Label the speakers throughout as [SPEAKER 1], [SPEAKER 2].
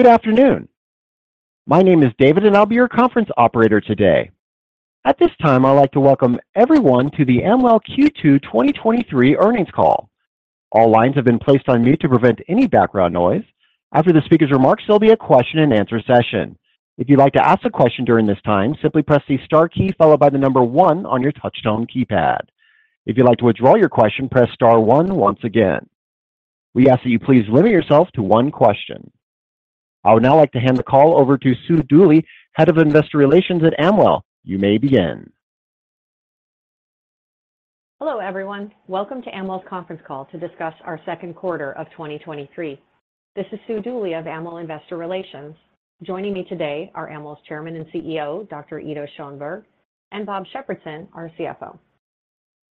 [SPEAKER 1] Good afternoon. My name is David, and I'll be your conference operator today. At this time, I'd like to welcome everyone to the Amwell Q2 2023 earnings call. All lines have been placed on mute to prevent any background noise. After the speaker's remarks, there'll be a question-and-answer session. If you'd like to ask a question during this time, simply press the star key followed by the number one on your touchtone keypad. If you'd like to withdraw your question, press star one once again. We ask that you please limit yourself to 1 question. I would now like to hand the call over to Sue Dooley, Head of Investor Relations at Amwell. You may begin.
[SPEAKER 2] Hello, everyone. Welcome to Amwell's conference call to discuss our second quarter of 2023. This is Sue Dooley of Amwell Investor Relations. Joining me today are Amwell's Chairman and CEO, Dr. Ido Schoenberg, and Bob Shepperson, our CFO.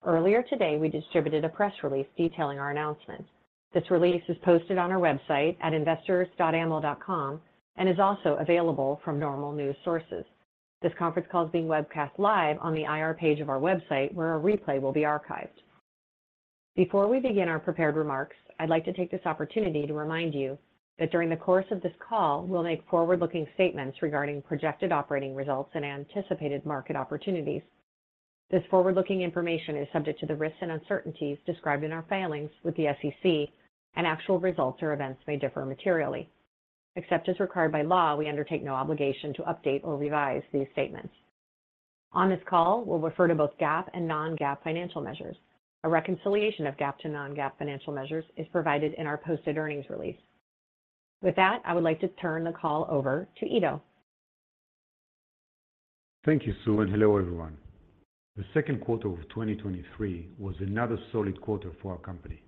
[SPEAKER 2] Earlier today, we distributed a press release detailing our announcement. This release is posted on our website at investors.amwell.com, is also available from normal news sources. This conference call is being webcast live on the IR page of our website, where a replay will be archived. Before we begin our prepared remarks, I'd like to take this opportunity to remind you that during the course of this call, we'll make forward-looking statements regarding projected operating results and anticipated market opportunities. This forward-looking information is subject to the risks and uncertainties described in our filings with the SEC, actual results or events may differ materially. Except as required by law, we undertake no obligation to update or revise these statements. On this call, we'll refer to both GAAP and non-GAAP financial measures. A reconciliation of GAAP to non-GAAP financial measures is provided in our posted earnings release. With that, I would like to turn the call over to Ido.
[SPEAKER 3] Thank you, Sue, and hello, everyone. The second quarter of 2023 was another solid quarter for our company.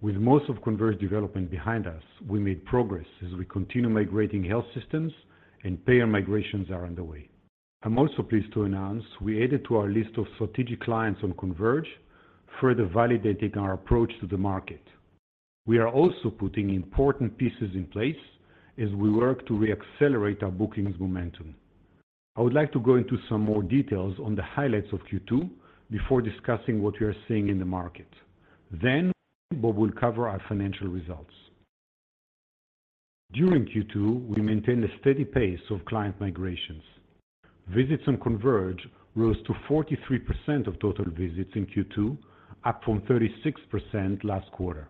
[SPEAKER 3] With most of Converge development behind us, we made progress as we continue migrating health systems and payer migrations are underway. I'm also pleased to announce we added to our list of strategic clients on Converge, further validating our approach to the market. We are also putting important pieces in place as we work to reaccelerate our bookings momentum. I would like to go into some more details on the highlights of Q2 before discussing what we are seeing in the market. Bob will cover our financial results. During Q2, we maintained a steady pace of client migrations. Visits on Converge rose to 43% of total visits in Q2, up from 36% last quarter.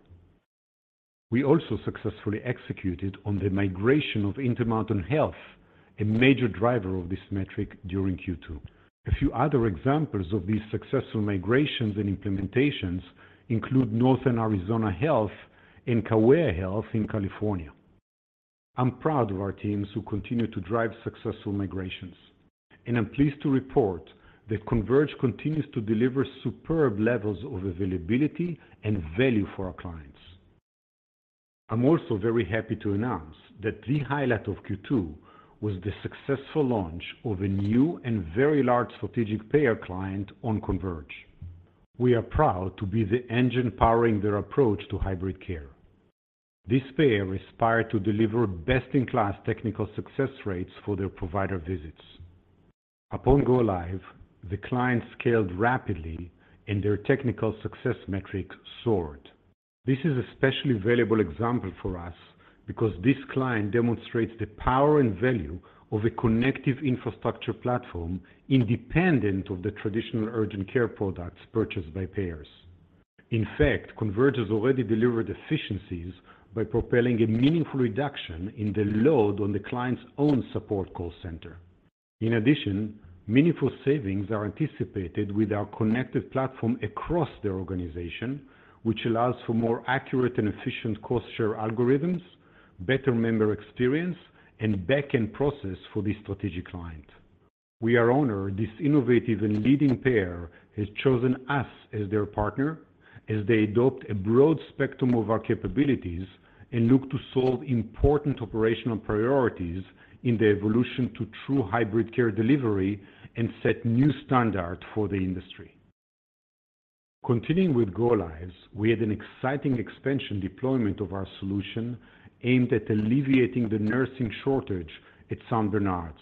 [SPEAKER 3] We also successfully executed on the migration of Intermountain Health, a major driver of this metric during Q2. A few other examples of these successful migrations and implementations include Northern Arizona Healthcare and Kaweah Health in California. I'm proud of our teams who continue to drive successful migrations, and I'm pleased to report that Converge continues to deliver superb levels of availability and value for our clients. I'm also very happy to announce that the highlight of Q2 was the successful launch of a new and very large strategic payer client on Converge. We are proud to be the engine powering their approach to hybrid care. This payer aspired to deliver best-in-class technical success rates for their provider visits. Upon go-live, the client scaled rapidly and their technical success metric soared. This is a especially valuable example for us because this client demonstrates the power and value of a connective infrastructure platform independent of the traditional urgent care products purchased by payers. In fact, Converge has already delivered efficiencies by propelling a meaningful reduction in the load on the client's own support call center. In addition, meaningful savings are anticipated with our connective platform across their organization, which allows for more accurate and efficient cost share algorithms, better member experience, and back-end process for this strategic client. We are honored this innovative and leading payer has chosen us as their partner, as they adopt a broad spectrum of our capabilities and look to solve important operational priorities in the evolution to true hybrid care delivery and set new standard for the industry. Continuing with go-lives, we had an exciting expansion deployment of our solution aimed at alleviating the nursing shortage at St. Bernards.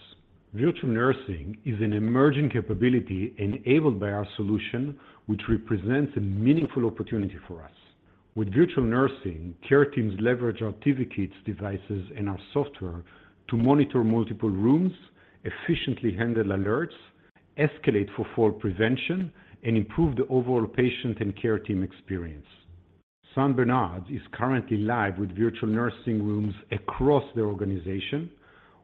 [SPEAKER 3] Virtual nursing is an emerging capability enabled by our solution, which represents a meaningful opportunity for us. With virtual nursing, care teams leverage our TV Kits devices and our software to monitor multiple rooms, efficiently handle alerts, escalate for fall prevention, and improve the overall patient and care team experience. St. Bernards is currently live with virtual nursing rooms across the organization,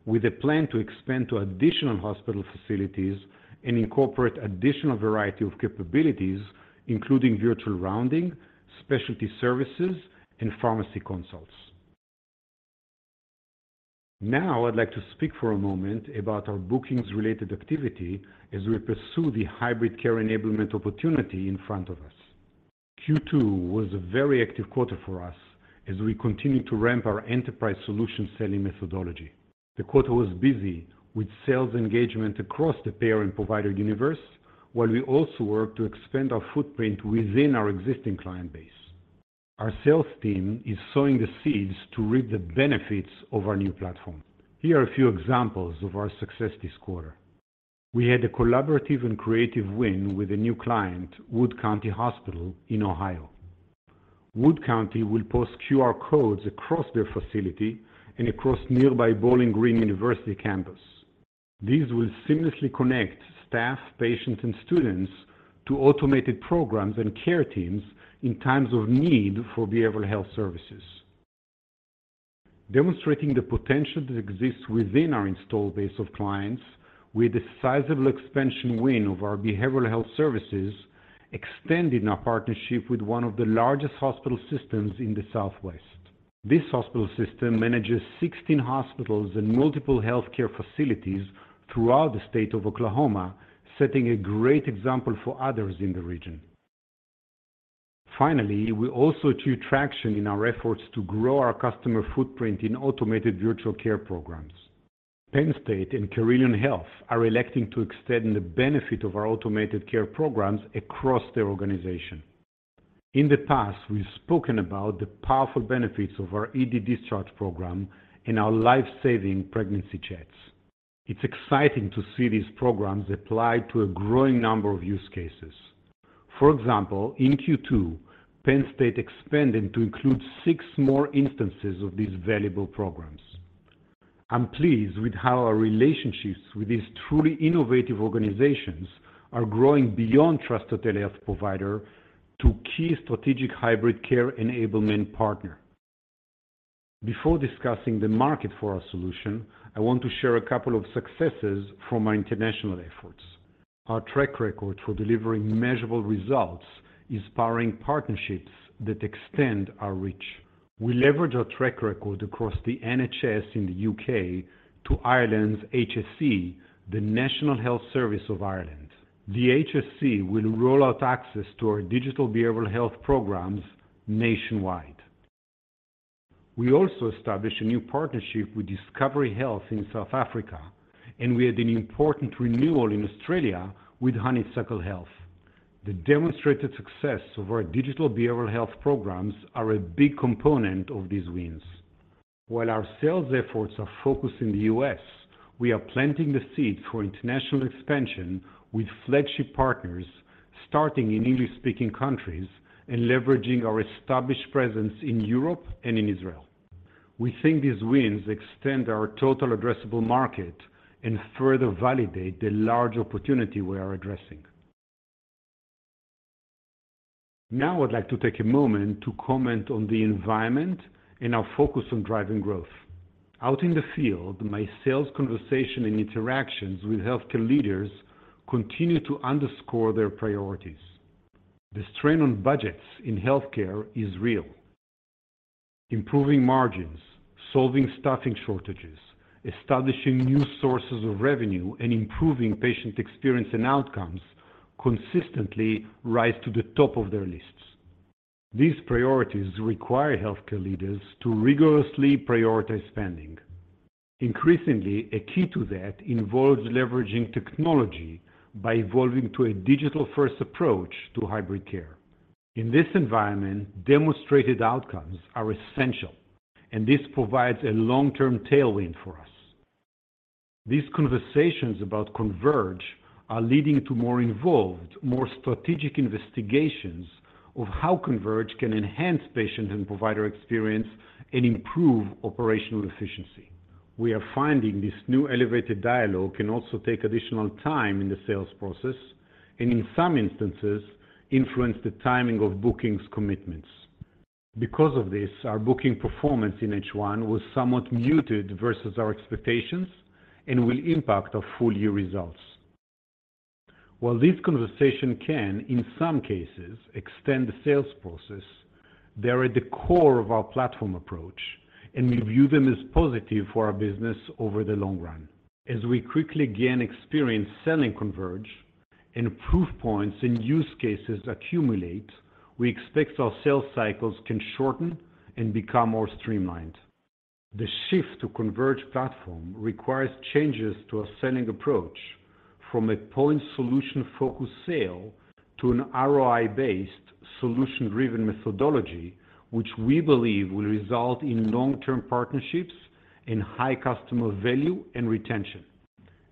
[SPEAKER 3] with a plan to expand to additional hospital facilities and incorporate additional variety of capabilities, including virtual rounding, specialty services, and pharmacy consults. Now, I'd like to speak for a moment about our bookings-related activity as we pursue the hybrid care enablement opportunity in front of us. Q2 was a very active quarter for us as we continued to ramp our enterprise solution selling methodology. The quarter was busy with sales engagement across the payer and provider universe, while we also worked to expand our footprint within our existing client base. Our sales team is sowing the seeds to reap the benefits of our new platform. Here are a few examples of our success this quarter. We had a collaborative and creative win with a new client, Wood County Hospital in Ohio. Wood County will post QR codes across their facility and across nearby Bowling Green University campus. These will seamlessly connect staff, patients, and students to automated programs and care teams in times of need for behavioral health services. Demonstrating the potential that exists within our installed base of clients, we had a sizable expansion win of our behavioral health services, extending our partnership with one of the largest hospital systems in the Southwest. This hospital system manages 16 hospitals and multiple healthcare facilities throughout the state of Oklahoma, setting a great example for others in the region. Finally, we also achieved traction in our efforts to grow our customer footprint in automated virtual care programs. Penn State and Carilion Health are electing to extend the benefit of our automated care programs across their organization. In the past, we've spoken about the powerful benefits of our ED discharge program and our life-saving pregnancy chats. It's exciting to see these programs applied to a growing number of use cases. For example, in Q2, Penn State expanded to include six more instances of these valuable programs. I'm pleased with how our relationships with these truly innovative organizations are growing beyond trusted telehealth provider to key strategic hybrid care enablement partner. Before discussing the market for our solution, I want to share a couple of successes from our international efforts. Our track record for delivering measurable results is powering partnerships that extend our reach. We leveraged our track record across the NHS in the UK to Ireland's HSE, the National Health Service of Ireland. The HSE will roll out access to our digital behavioral health programs nationwide. We also established a new partnership with Discovery Health in South Africa, and we had an important renewal in Australia with Honeysuckle Health. The demonstrated success of our digital behavioral health programs are a big component of these wins. While our sales efforts are focused in the U.S., we are planting the seed for international expansion with flagship partners, starting in English-speaking countries and leveraging our established presence in Europe and in Israel. We think these wins extend our total addressable market and further validate the large opportunity we are addressing. Now, I'd like to take a moment to comment on the environment and our focus on driving growth. Out in the field, my sales conversation and interactions with healthcare leaders continue to underscore their priorities. The strain on budgets in healthcare is real. Improving margins, solving staffing shortages, establishing new sources of revenue, and improving patient experience and outcomes consistently rise to the top of their lists. These priorities require healthcare leaders to rigorously prioritize spending. Increasingly, a key to that involves leveraging technology by evolving to a digital-first approach to hybrid care. In this environment, demonstrated outcomes are essential, and this provides a long-term tailwind for us. These conversations about Converge are leading to more involved, more strategic investigations of how Converge can enhance patient and provider experience and improve operational efficiency. We are finding this new elevated dialogue can also take additional time in the sales process and, in some instances, influence the timing of bookings commitments. Because of this, our booking performance in H1 was somewhat muted versus our expectations and will impact our full-year results. While this conversation can, in some cases, extend the sales process, they're at the core of our platform approach, and we view them as positive for our business over the long run. As we quickly gain experience selling Converge and proof points and use cases accumulate, we expect our sales cycles can shorten and become more streamlined. The shift to Converge platform requires changes to our selling approach from a point solution-focused sale to an ROI-based, solution-driven methodology, which we believe will result in long-term partnerships and high customer value and retention.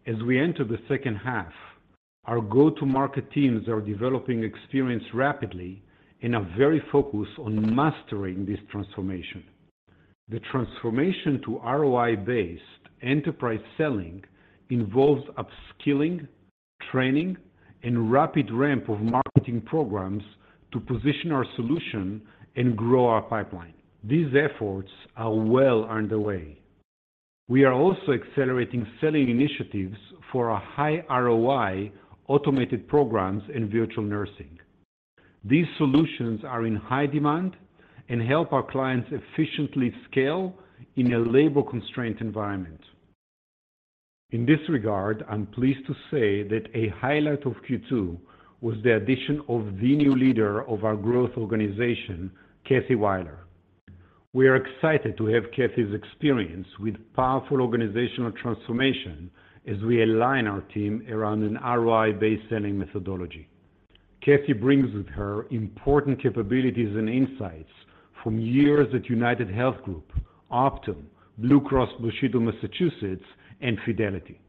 [SPEAKER 3] As we enter the second half, our go-to-market teams are developing experience rapidly and are very focused on mastering this transformation. The transformation to ROI-based enterprise selling involves upskilling, training, and rapid ramp of marketing programs to position our solution and grow our pipeline. These efforts are well underway. We are also accelerating selling initiatives for our high ROI automated programs and virtual nursing. These solutions are in high demand and help our clients efficiently scale in a labor-constrained environment. In this regard, I'm pleased to say that a highlight of Q2 was the addition of the new leader of our Growth organization, Kathy Weiler. We are excited to have Kathy's experience with powerful organizational transformation as we align our team around an ROI-based selling methodology. Kathy brings with her important capabilities and insights from years at UnitedHealth Group, Optum, Blue Cross Blue Shield of Massachusetts, and Fidelity.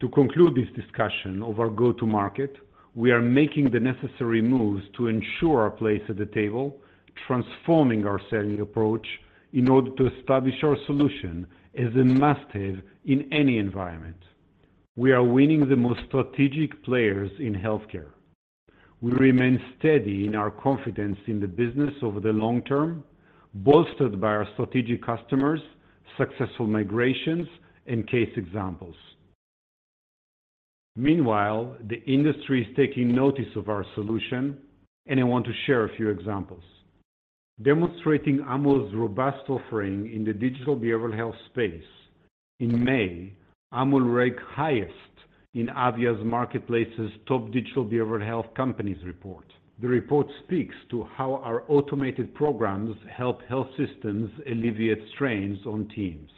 [SPEAKER 3] To conclude this discussion of our go-to-market, we are making the necessary moves to ensure our place at the table, transforming our selling approach in order to establish our solution as a must-have in any environment. We are winning the most strategic players in healthcare. We remain steady in our confidence in the business over the long term, bolstered by our strategic customers, successful migrations, and case examples. Meanwhile, the industry is taking notice of our solution, and I want to share a few examples. Demonstrating Amwell's robust offering in the digital behavioral health space, in May, Amwell ranked highest in AVIA's marketplace's Top Digital Behavioral Health Companies report. The report speaks to how our automated programs help health systems alleviate strains on teams.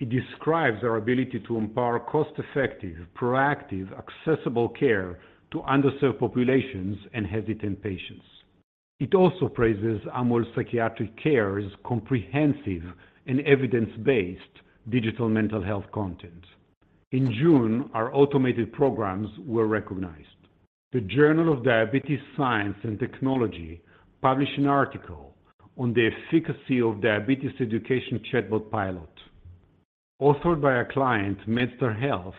[SPEAKER 3] It describes our ability to empower cost-effective, proactive, accessible care to underserved populations and hesitant patients. It also praises Amwell Psychiatric Care as comprehensive and evidence-based digital mental health content. In June, our automated programs were recognized. The Journal of Diabetes Science and Technology published an article on the efficacy of diabetes education chatbot pilot. Authored by our client, MedStar Health,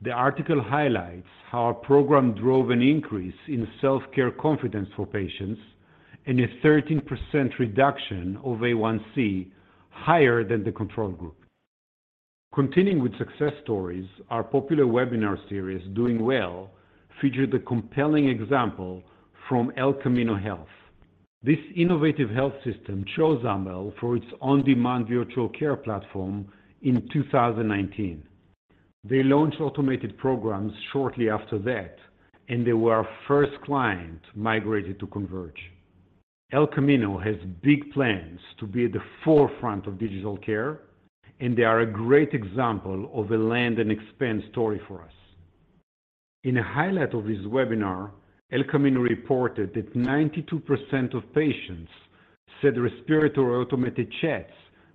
[SPEAKER 3] the article highlights how our program drove an increase in self-care confidence for patients and a 13% reduction of A1C, higher than the control group. Continuing with success stories, our popular webinar series, Doing Well, featured a compelling example from El Camino Health. This innovative health system chose Amwell for its on-demand virtual care platform in 2019. They launched automated programs shortly after that. They were our first client migrated to Converge. El Camino has big plans to be at the forefront of digital care, and they are a great example of a land and expand story for us. In a highlight of this webinar, El Camino reported that 92% of patients said respiratory automated chats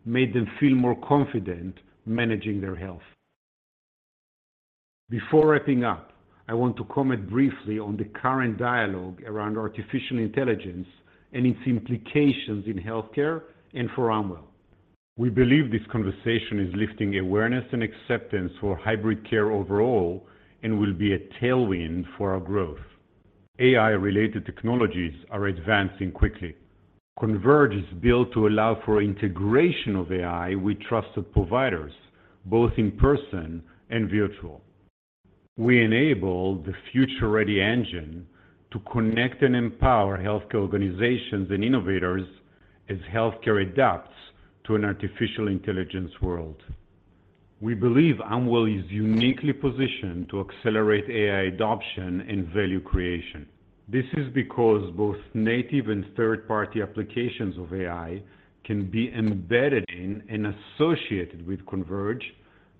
[SPEAKER 3] made them feel more confident managing their health. Before wrapping up, I want to comment briefly on the current dialogue around artificial intelligence and its implications in healthcare and for Amwell. We believe this conversation is lifting awareness and acceptance for hybrid care overall and will be a tailwind for our growth. AI-related technologies are advancing quickly. Converge is built to allow for integration of AI with trusted providers, both in person and virtual. We enable the future-ready engine to connect and empower healthcare organizations and innovators as healthcare adapts to an artificial intelligence world. We believe Amwell is uniquely positioned to accelerate AI adoption and value creation. This is because both native and third-party applications of AI can be embedded in and associated with Converge,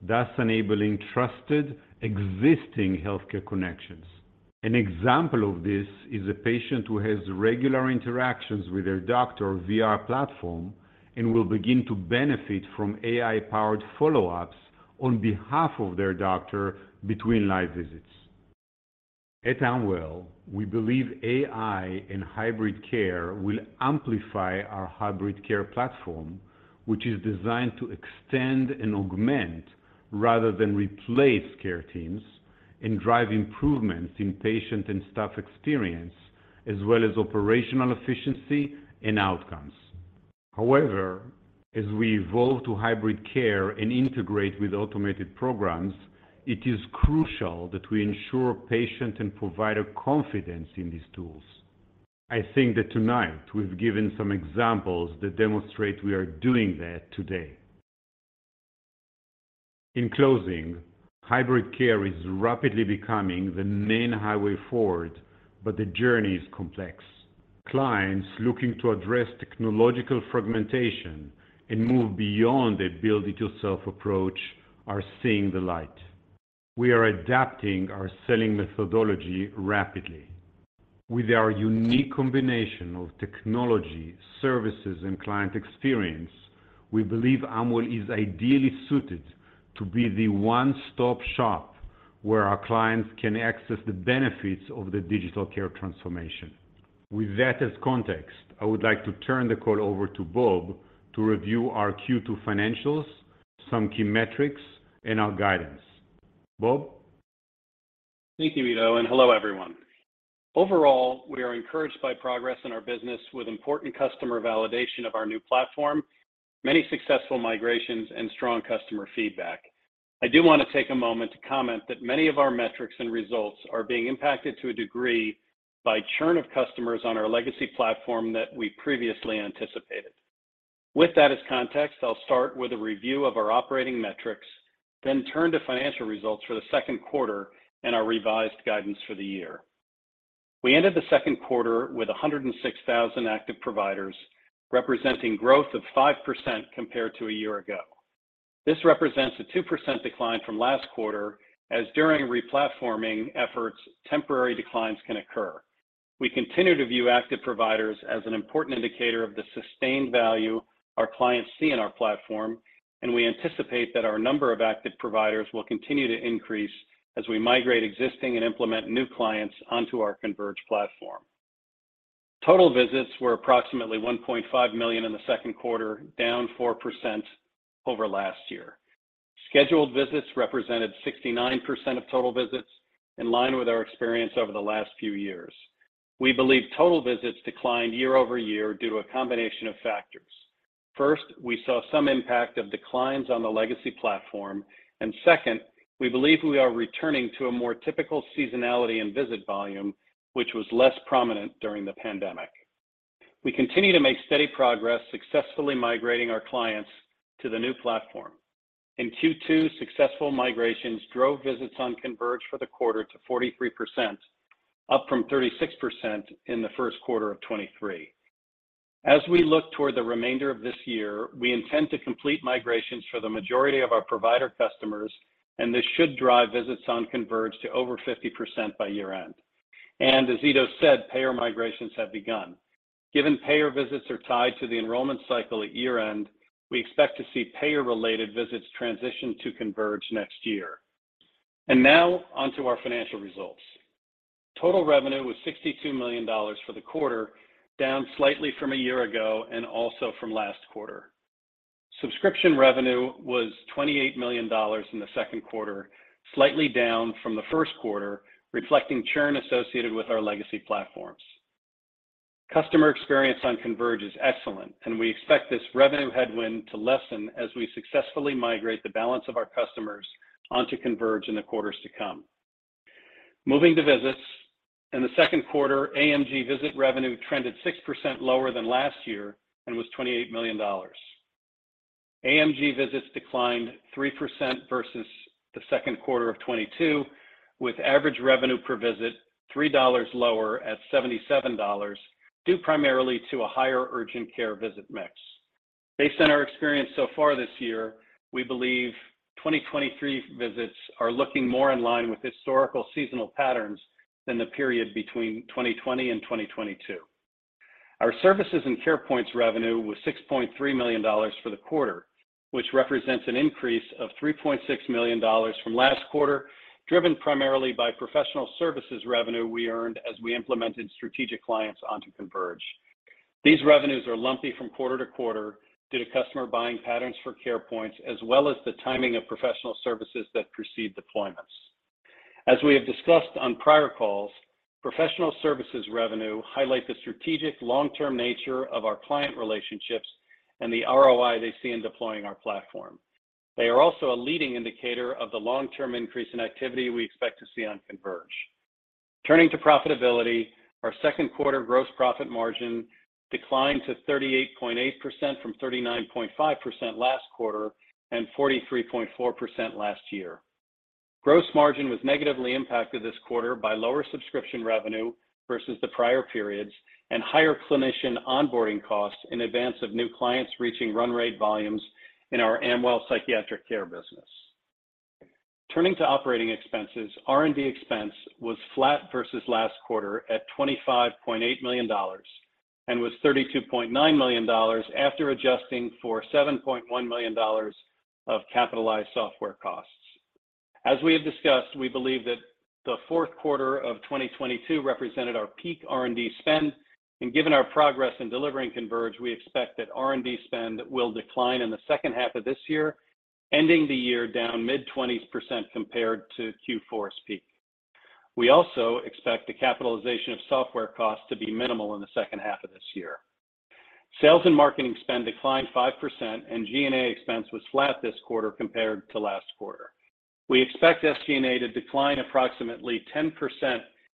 [SPEAKER 3] thus enabling trusted, existing healthcare connections. An example of this is a patient who has regular interactions with their doctor via our platform and will begin to benefit from AI-powered follow-ups on behalf of their doctor between live visits. At Amwell, we believe AI and hybrid care will amplify our hybrid care platform, which is designed to extend and augment rather than replace care teams and drive improvements in patient and staff experience, as well as operational efficiency and outcomes. As we evolve to hybrid care and integrate with automated programs, it is crucial that we ensure patient and provider confidence in these tools. I think that tonight we've given some examples that demonstrate we are doing that today. In closing, hybrid care is rapidly becoming the main highway forward, but the journey is complex. Clients looking to address technological fragmentation and move beyond a build-it-yourself approach are seeing the light. We are adapting our selling methodology rapidly. With our unique combination of technology, services, and client experience, we believe Amwell is ideally suited to be the one-stop shop where our clients can access the benefits of the digital care transformation. With that as context, I would like to turn the call over to Bob to review our Q2 financials, some key metrics, and our guidance. Bob?
[SPEAKER 4] Thank you, Mito. Hello, everyone. Overall, we are encouraged by progress in our business with important customer validation of our new platform, many successful migrations, and strong customer feedback. I do want to take a moment to comment that many of our metrics and results are being impacted to a degree by churn of customers on our legacy platform that we previously anticipated. With that as context, I'll start with a review of our operating metrics, then turn to financial results for the second quarter and our revised guidance for the year. We ended the second quarter with 106,000 active providers, representing growth of 5% compared to a year ago. This represents a 2% decline from last quarter, as during replatforming efforts, temporary declines can occur. We continue to view active providers as an important indicator of the sustained value our clients see in our platform, and we anticipate that our number of active providers will continue to increase as we migrate existing and implement new clients onto our Converge platform. Total visits were approximately $1.5 million in the second quarter, down 4% over last year. Scheduled visits represented 69% of total visits, in line with our experience over the last few years. We believe total visits declined year-over-year due to a combination of factors. First, we saw some impact of declines on the legacy platform, and second, we believe we are returning to a more typical seasonality and visit volume, which was less prominent during the pandemic. We continue to make steady progress successfully migrating our clients to the new platform. In Q2, successful migrations drove visits on Converge for the quarter to 43%, up from 36% in the first quarter of 2023. As we look toward the remainder of this year, we intend to complete migrations for the majority of our provider customers, this should drive visits on Converge to over 50% by year-end. As Ido said, payer migrations have begun. Given payer visits are tied to the enrollment cycle at year-end, we expect to see payer-related visits transition to Converge next year. Now, on to our financial results. Total revenue was $62 million for the quarter, down slightly from a year ago and also from last quarter. Subscription revenue was $28 million in the second quarter, slightly down from the first quarter, reflecting churn associated with our legacy platforms. Customer experience on Converge is excellent. We expect this revenue headwind to lessen as we successfully migrate the balance of our customers onto Converge in the quarters to come. Moving to visits. In the second quarter, AMG visit revenue trended 6% lower than last year and was $28 million. AMG visits declined 3% versus the second quarter of 2022, with average revenue per visit $3 lower at $77, due primarily to a higher urgent care visit mix. Based on our experience so far this year, we believe 2023 visits are looking more in line with historical seasonal patterns than the period between 2020 and 2022. Our services and care points revenue was $6.3 million for the quarter, which represents an increase of $3.6 million from last quarter, driven primarily by professional services revenue we earned as we implemented strategic clients onto Converge. These revenues are lumpy from quarter to quarter due to customer buying patterns for care points, as well as the timing of professional services that precede deployments. As we have discussed on prior calls, professional services revenue highlight the strategic long-term nature of our client relationships and the ROI they see in deploying our platform. They are also a leading indicator of the long-term increase in activity we expect to see on Converge. Turning to profitability, our second quarter gross profit margin declined to 38.8% from 39.5% last quarter and 43.4% last year. Gross margin was negatively impacted this quarter by lower subscription revenue versus the prior periods and higher clinician onboarding costs in advance of new clients reaching run rate volumes in our Amwell Psychiatric Care business. Turning to operating expenses, R&D expense was flat versus last quarter at $25.8 million and was $32.9 million after adjusting for $7.1 million of capitalized software costs. Given our progress in delivering Converge, we expect that R&D spend will decline in the second half of this year, ending the year down mid-20s% compared to Q4's peak. We also expect the capitalization of software costs to be minimal in the second half of this year. Sales and marketing spend declined 5%, G&A expense was flat this quarter compared to last quarter. We expect SG&A to decline approximately 10%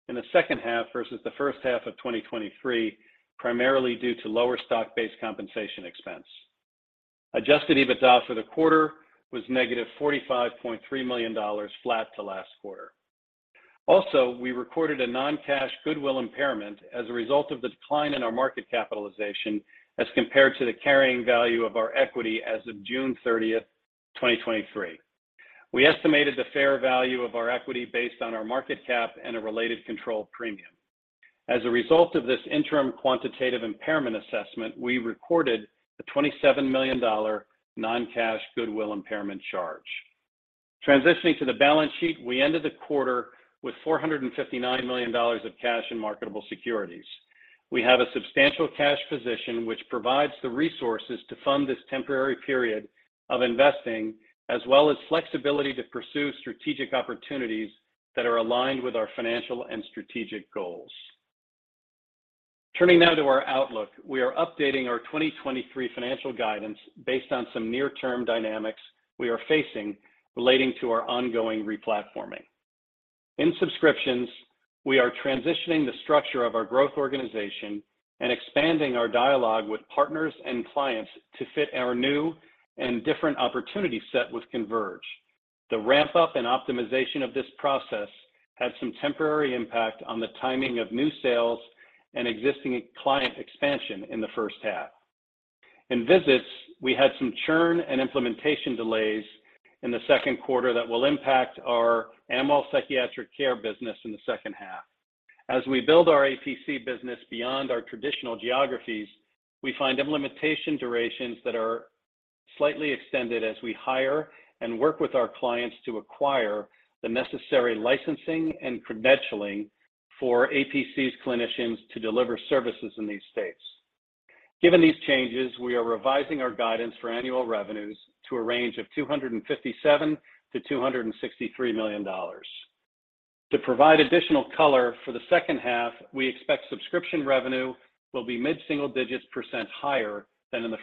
[SPEAKER 4] in the second half versus the first half of 2023, primarily due to lower stock-based compensation expense. Adjusted EBITDA for the quarter was negative $45.3 million, flat to last quarter. We recorded a non-cash goodwill impairment as a result of the decline in our market capitalization as compared to the carrying value of our equity as of June 30th, 2023. We estimated the fair value of our equity based on our market cap and a related control premium. As a result of this interim quantitative impairment assessment, we recorded a $27 million non-cash goodwill impairment charge. Transitioning to the balance sheet, we ended the quarter with $459 million of cash and marketable securities. We have a substantial cash position, which provides the resources to fund this temporary period of investing, as well as flexibility to pursue strategic opportunities that are aligned with our financial and strategic goals. Turning now to our outlook, we are updating our 2023 financial guidance based on some near-term dynamics we are facing relating to our ongoing replatforming. In subscriptions, we are transitioning the structure of our growth organization and expanding our dialogue with partners and clients to fit our new and different opportunity set with Converge. The ramp up and optimization of this process had some temporary impact on the timing of new sales and existing client expansion in the first half. In visits, we had some churn and implementation delays in the second quarter that will impact our Amwell Psychiatric Care business in the second half. As we build our APC business beyond our traditional geographies, we find implementation durations that are slightly extended as we hire and work with our clients to acquire the necessary licensing and credentialing for APC's clinicians to deliver services in these states. We are revising our guidance for annual revenues to a range of $257 million-$263 million. To provide additional color for the second half, we expect subscription revenue will be mid-single digits % higher than in the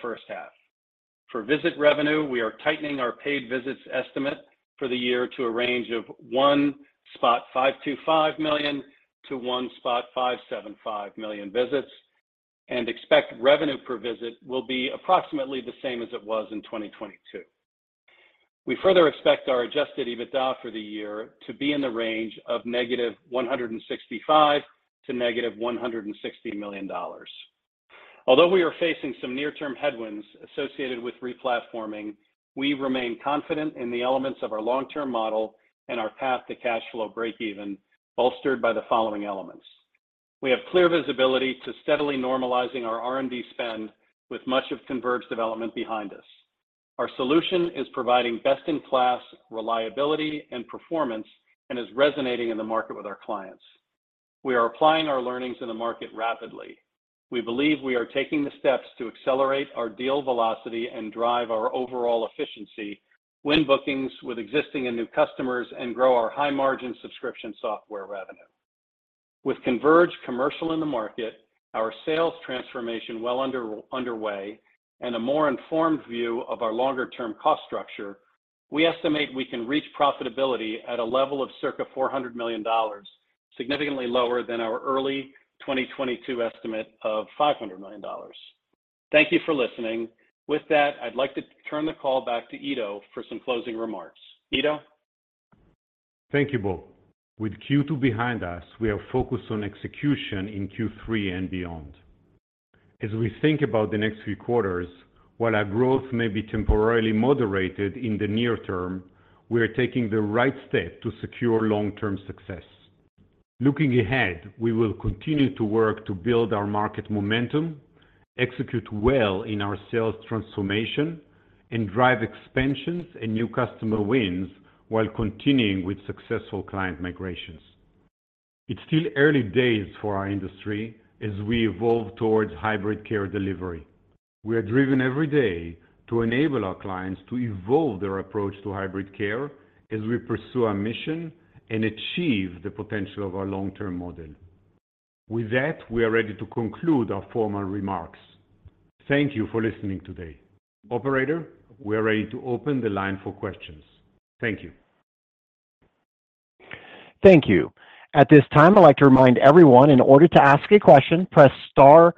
[SPEAKER 4] first half. For visit revenue, we are tightening our paid visits estimate for the year to a range of 1.525 million-1.575 million visits, and expect revenue per visit will be approximately the same as it was in 2022. We further expect our adjusted EBITDA for the year to be in the range of -$165 million to -$160 million. Although we are facing some near-term headwinds associated with replatforming, we remain confident in the elements of our long-term model and our path to cash flow breakeven, bolstered by the following elements: We have clear visibility to steadily normalizing our R&D spend, with much of Converge development behind us. Our solution is providing best-in-class reliability and performance, and is resonating in the market with our clients. We are applying our learnings in the market rapidly. We believe we are taking the steps to accelerate our deal velocity and drive our overall efficiency, win bookings with existing and new customers, and grow our high-margin subscription software revenue. With Converge commercial in the market, our sales transformation well underway, and a more informed view of our longer-term cost structure, we estimate we can reach profitability at a level of circa $400 million, significantly lower than our early 2022 estimate of $500 million. Thank you for listening. With that, I'd like to turn the call back to Ido for some closing remarks. Ido?
[SPEAKER 3] Thank you, Bob. With Q2 behind us, we are focused on execution in Q3 and beyond. As we think about the next few quarters, while our growth may be temporarily moderated in the near term, we are taking the right step to secure long-term success. Looking ahead, we will continue to work to build our market momentum, execute well in our sales transformation, and drive expansions and new customer wins, while continuing with successful client migrations. It's still early days for our industry as we evolve towards hybrid care delivery. We are driven every day to enable our clients to evolve their approach to hybrid care, as we pursue our mission and achieve the potential of our long-term model. With that, we are ready to conclude our formal remarks. Thank you for listening today. Operator, we are ready to open the line for questions. Thank you.
[SPEAKER 1] Thank you. At this time, I'd like to remind everyone, in order to ask a question, press star,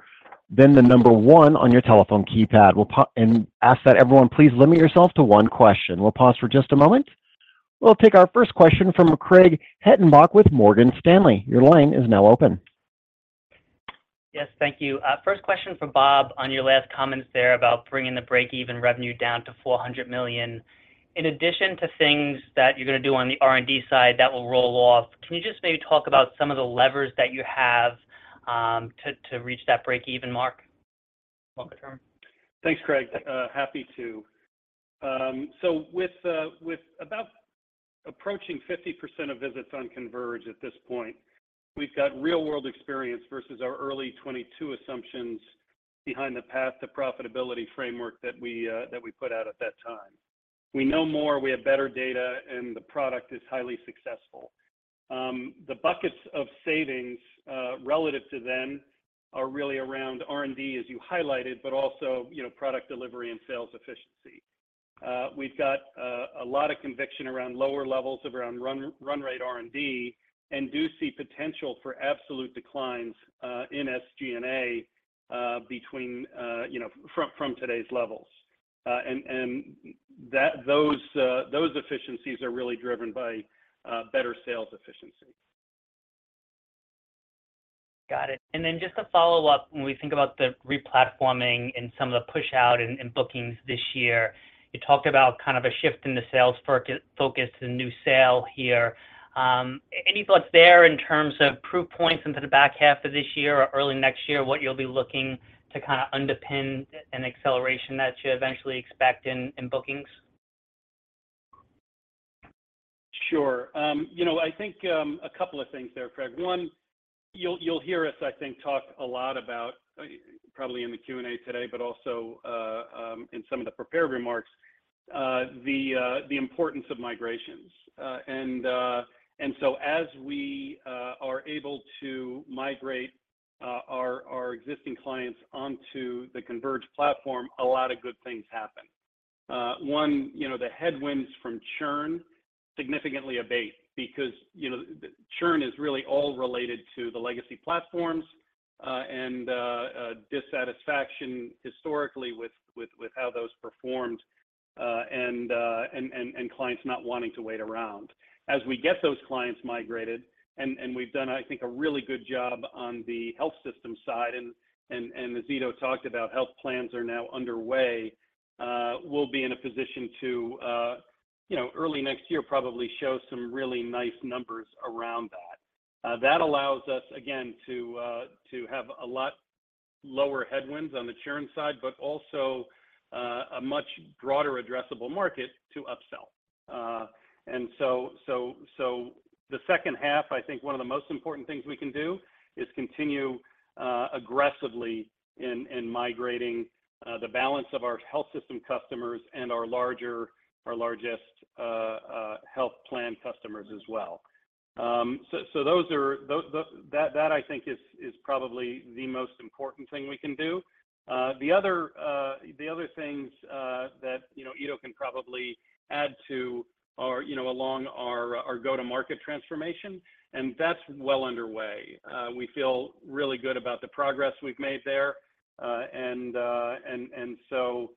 [SPEAKER 1] then the number one on your telephone keypad. We'll pause and ask that everyone, please limit yourself to one question. We'll pause for just a moment. We'll take our first question from Craig Hettenbach with Morgan Stanley. Your line is now open.
[SPEAKER 5] Yes, thank you. First question for Bob on your last comments there about bringing the breakeven revenue down to $400 million. In addition to things that you're gonna do on the R&D side that will roll off, can you just maybe talk about some of the levers that you have, to, to reach that breakeven mark? Welcome, Tom.
[SPEAKER 4] Thanks, Craig. happy to. With, with about approaching 50% of visits on Converge at this point, we've got real-world experience versus our early 2022 assumptions behind the path to profitability framework that we, that we put out at that time. We know more, we have better data, the product is highly successful. The buckets of savings, relative to them are really around R&D, as you highlighted, also, you know, product delivery and sales efficiency. We've got a lot of conviction around lower levels of around run, run rate R&D, do see potential for absolute declines in SG&A, between, you know, from, from today's levels. That those efficiencies are really driven by better sales efficiency.
[SPEAKER 5] Got it. Then just to follow up, when we think about the replatforming and some of the push out and, and bookings this year, you talked about kind of a shift in the sales focus and new sale here. Any thoughts there in terms of proof points into the back half of this year or early next year, what you'll be looking to kind of underpin an acceleration that you eventually expect in, in bookings?
[SPEAKER 4] Sure. You know, I think, a couple of things there, Craig. One, you'll, you'll hear us, I think, talk a lot about, probably in the Q&A today, but also, in some of the prepared remarks, the importance of migrations. So as we are able to migrate our existing clients onto the Converge platform, a lot of good things happen. One, you know, the headwinds from churn significantly abate because, you know, the churn is really all related to the legacy platforms. Dissatisfaction historically with, with, with how those performed, and clients not wanting to wait around. As we get those clients migrated, and we've done, I think, a really good job on the health system side, and, as Ido talked about, health plans are now underway, we'll be in a position to, you know, early next year, probably show some really nice numbers around that. That allows us, again, to, to have a lot lower headwinds on the churn side, but also, a much broader addressable market to upsell. So the second half, I think one of the most important things we can do, is continue, aggressively in migrating, the balance of our health system customers and our largest, health plan customers as well. That, I think, is probably the most important thing we can do. The other, the other things that, you know, Ido can probably add to are, you know, along our, our go-to-market transformation, and that's well underway. We feel really good about the progress we've made there. And so,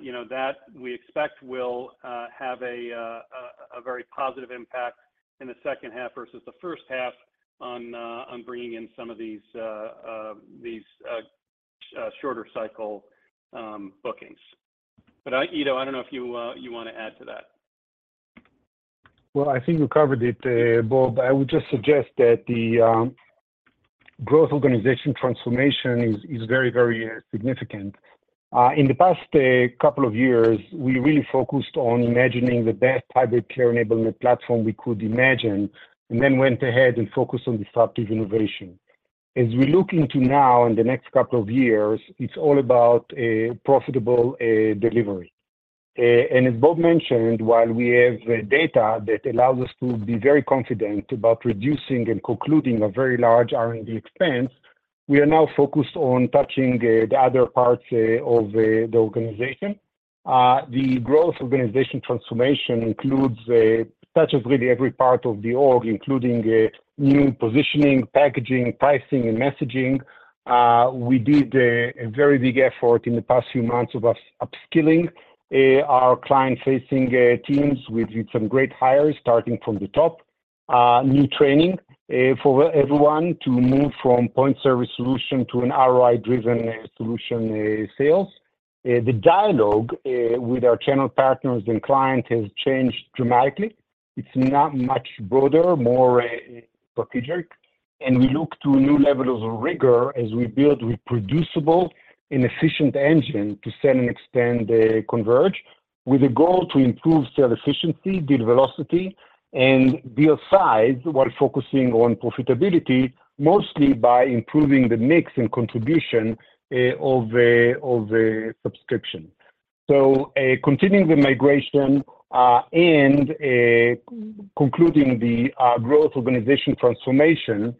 [SPEAKER 4] you know, that we expect will have a very positive impact in the second half versus the first half on bringing in some of these, these, shorter cycle bookings. Ido, I don't know if you wanna add to that?
[SPEAKER 3] Well, I think you covered it, Bob, I would just suggest that the growth organization transformation is very, very significant. In the past couple of years, we really focused on imagining the best hybrid care enablement platform we could imagine, and then went ahead and focused on disruptive innovation. As we look into now, in the next couple of years, it's all about a profitable delivery. As Bob mentioned, while we have data that allows us to be very confident about reducing and concluding a very large R&D expense, we are now focused on touching the other parts of the organization. The growth organization transformation includes touches really every part of the org, including new positioning, packaging, pricing, and messaging. We did a very big effort in the past few months of upskilling our client-facing teams. We did some great hires, starting from the top. New training for everyone to move from point service solution to an ROI-driven solution sales. The dialogue with our channel partners and clients has changed dramatically. It's now much broader, more strategic, and we look to new levels of rigor as we build reproducible and efficient engine to sell and extend the Converge, with a goal to improve sale efficiency, deal velocity, and deal size, while focusing on profitability, mostly by improving the mix and contribution of the subscription. Continuing the migration, and concluding the growth organization transformation,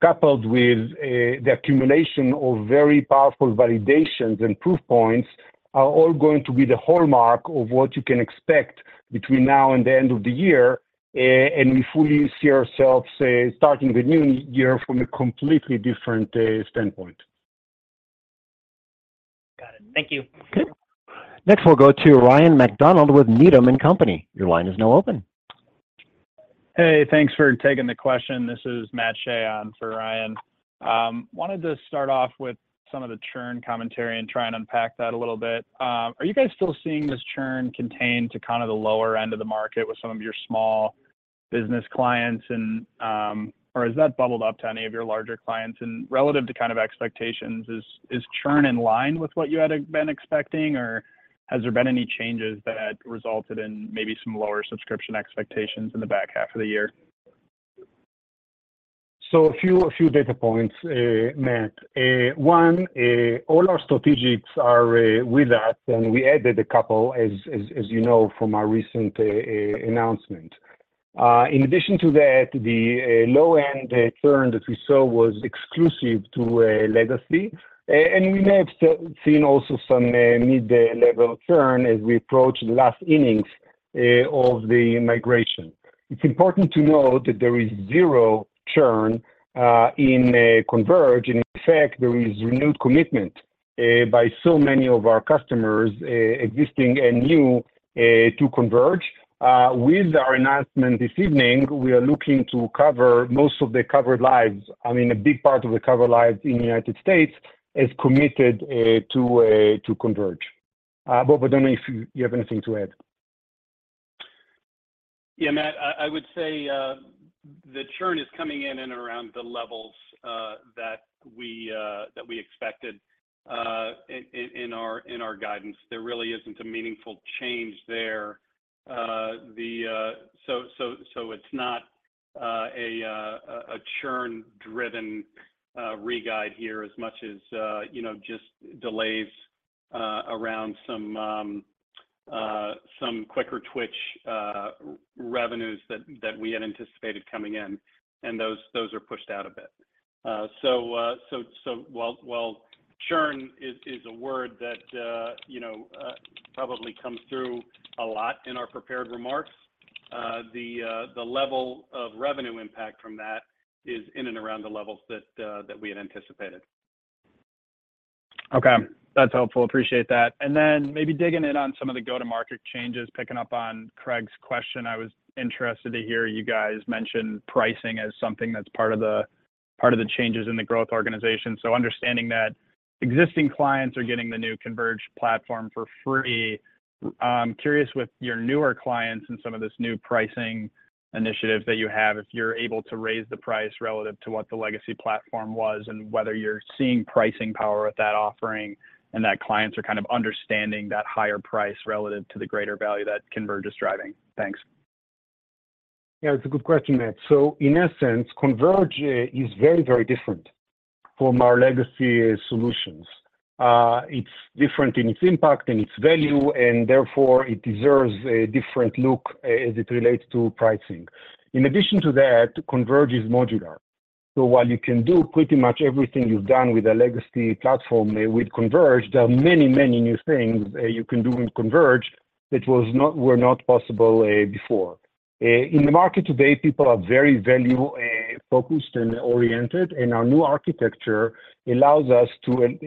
[SPEAKER 3] coupled with the accumulation of very powerful validations and proof points, are all going to be the hallmark of what you can expect between now and the end of the year. We fully see ourselves starting the new year from a completely different standpoint.
[SPEAKER 5] Got it. Thank you.
[SPEAKER 3] Okay.
[SPEAKER 1] Next, we'll go to Ryan MacDonald with Needham & Company. Your line is now open.
[SPEAKER 6] Hey, thanks for taking the question. This is Matt Shay on for Ryan. Wanted to start off with some of the churn commentary and try and unpack that a little bit. Are you guys still seeing this churn contained to kind of the lower end of the market with some of your small business clients, or has that bubbled up to any of your larger clients? Relative to kind of expectations, is churn in line with what you had been expecting, or has there been any changes that resulted in maybe some lower subscription expectations in the back half of the year?
[SPEAKER 3] A few, a few data points, Matt. One, all our strategics are with us, and we added a couple, as you know, from our recent announcement. In addition to that, the low-end churn that we saw was exclusive to legacy. We may have seen also some mid-level churn as we approach the last innings of the migration. It's important to note that there is zero churn in Converge. In fact, there is renewed commitment by so many of our customers, existing and new, to Converge. With our announcement this evening, we are looking to cover most of the covered lives. I mean, a big part of the covered lives in the United States is committed to Converge. Bob, I don't know if you, you have anything to add.
[SPEAKER 4] Yeah, Matt, I, I would say, the churn is coming in and around the levels that we that we expected in in in our in our guidance. There really isn't a meaningful change there. So, so it's not a a a churn-driven re-guide here, as much as, you know, just delays around some some quicker twitch revenues that that we had anticipated coming in, and those, those are pushed out a bit. So, so while, while churn is, is a word that, you know, probably comes through a lot in our prepared remarks...... the level of revenue impact from that is in and around the levels that, that we had anticipated.
[SPEAKER 6] Okay, that's helpful. Appreciate that. Then maybe digging in on some of the go-to-market changes, picking up on Craig's question, I was interested to hear you guys mention pricing as something that's part of the changes in the growth organization. Understanding that existing clients are getting the new Converge platform for free, curious with your newer clients and some of this new pricing initiative that you have, if you're able to raise the price relative to what the legacy platform was, and whether you're seeing pricing power with that offering, and that clients are kind of understanding that higher price relative to the greater value that Converge is driving. Thanks.
[SPEAKER 3] Yeah, it's a good question, Matt. In essence, Converge is very, very different from our legacy solutions. It's different in its impact and its value, therefore, it deserves a different look as it relates to pricing. In addition to that, Converge is modular, so while you can do pretty much everything you've done with the legacy platform, with Converge, there are many, many new things you can do in Converge that was not- were not possible before. In the market today, people are very value focused and oriented, our new architecture allows us to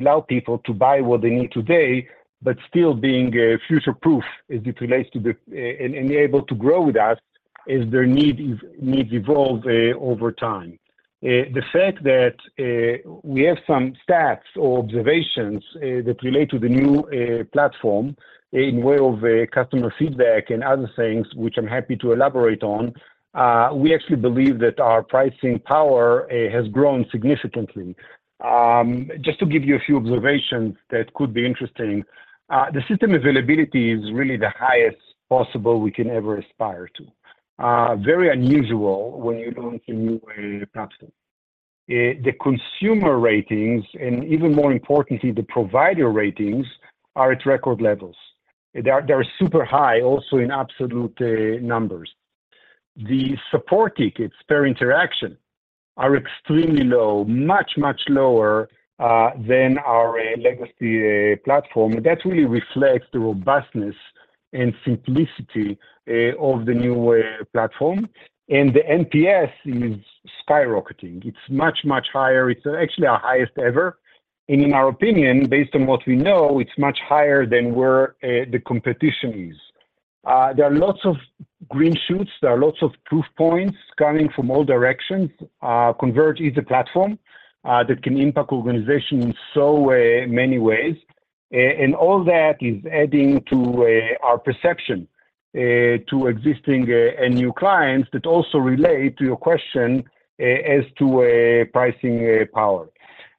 [SPEAKER 3] allow people to buy what they need today, but still being future-proof as it relates to the... And able to grow with us as their need, needs evolve over time. The fact that we have some stats or observations that relate to the new platform, in way of customer feedback and other things, which I'm happy to elaborate on, we actually believe that our pricing power has grown significantly. Just to give you a few observations that could be interesting, the system availability is really the highest possible we can ever aspire to. Very unusual when you launch a new platform. The consumer ratings, and even more importantly, the provider ratings, are at record levels. They are, they are super high, also in absolute numbers. The support tickets per interaction are extremely low, much, much lower than our legacy platform. That really reflects the robustness and simplicity of the new platform, and the NPS is skyrocketing. It's much, much higher. It's actually our highest ever, and in our opinion, based on what we know, it's much higher than where the competition is. There are lots of green shoots, there are lots of proof points coming from all directions. Converge is a platform that can impact organization in so many ways. All that is adding to our perception to existing and new clients, that also relate to your question as to pricing power.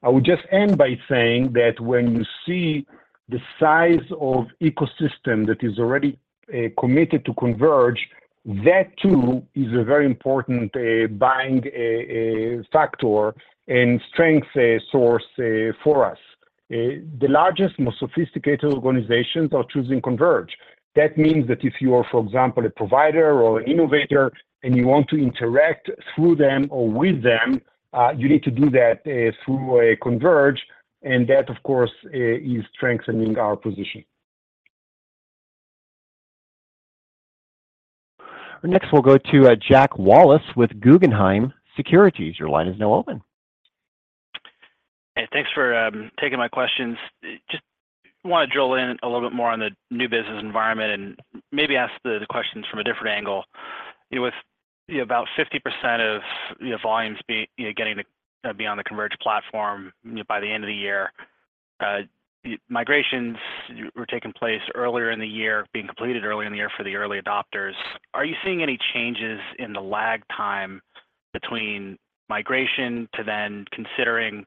[SPEAKER 3] I would just end by saying that when you see the size of ecosystem that is already committed to Converge, that too, is a very important buying factor and strength source for us. The largest, most sophisticated organizations are choosing Converge. That means that if you are, for example, a provider or an innovator, and you want to interact through them or with them, you need to do that through Converge, and that, of course, is strengthening our position.
[SPEAKER 1] We'll go to Jack Wallace with Guggenheim Securities. Your line is now open.
[SPEAKER 7] Hey, thanks for taking my questions. Just wanna drill in a little bit more on the new business environment, and maybe ask the, the questions from a different angle. With, you know, about 50% of, you know, volumes you know, getting to be on the Converge platform, you know, by the end of the year, migrations were taking place earlier in the year, being completed early in the year for the early adopters. Are you seeing any changes in the lag time between migration to then considering,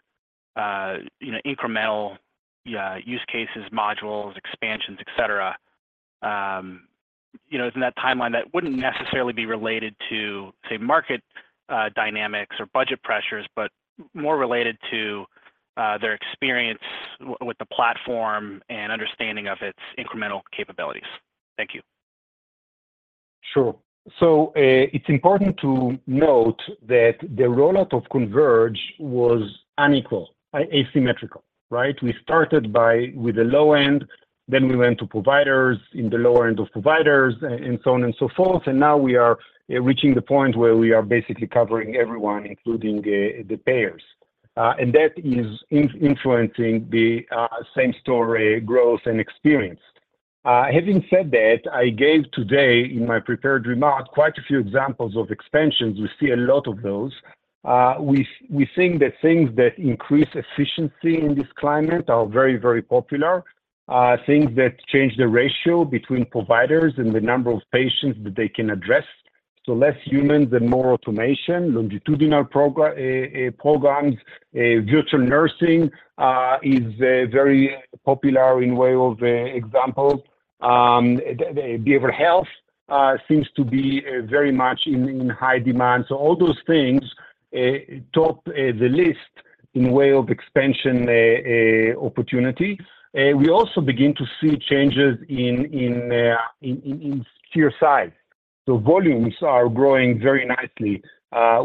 [SPEAKER 7] you know, incremental use cases, modules, expansions, et cetera? You know, isn't that timeline that wouldn't necessarily be related to, say, market dynamics or budget pressures, but more related to their experience with the platform and understanding of its incremental capabilities? Thank you.
[SPEAKER 3] Sure. It's important to note that the rollout of Converge was unequal, asymmetrical, right? We started by, with the low end, then we went to providers in the lower end of providers, and so on and so forth, and now we are reaching the point where we are basically covering everyone, including, the payers. That is influencing the, same story, growth, and experience. Having said that, I gave today in my prepared remarks, quite a few examples of expansions. We see a lot of those. We think that things that increase efficiency in this climate are very, very popular. Things that change the ratio between providers and the number of patients that they can address, so less humans and more automation, longitudinal programs, virtual nursing, is very popular in way of examples. Behavioral health seems to be very much in high demand. All those things top the list in way of expansion opportunity. We also begin to see changes in, in, in sheer size. Volumes are growing very nicely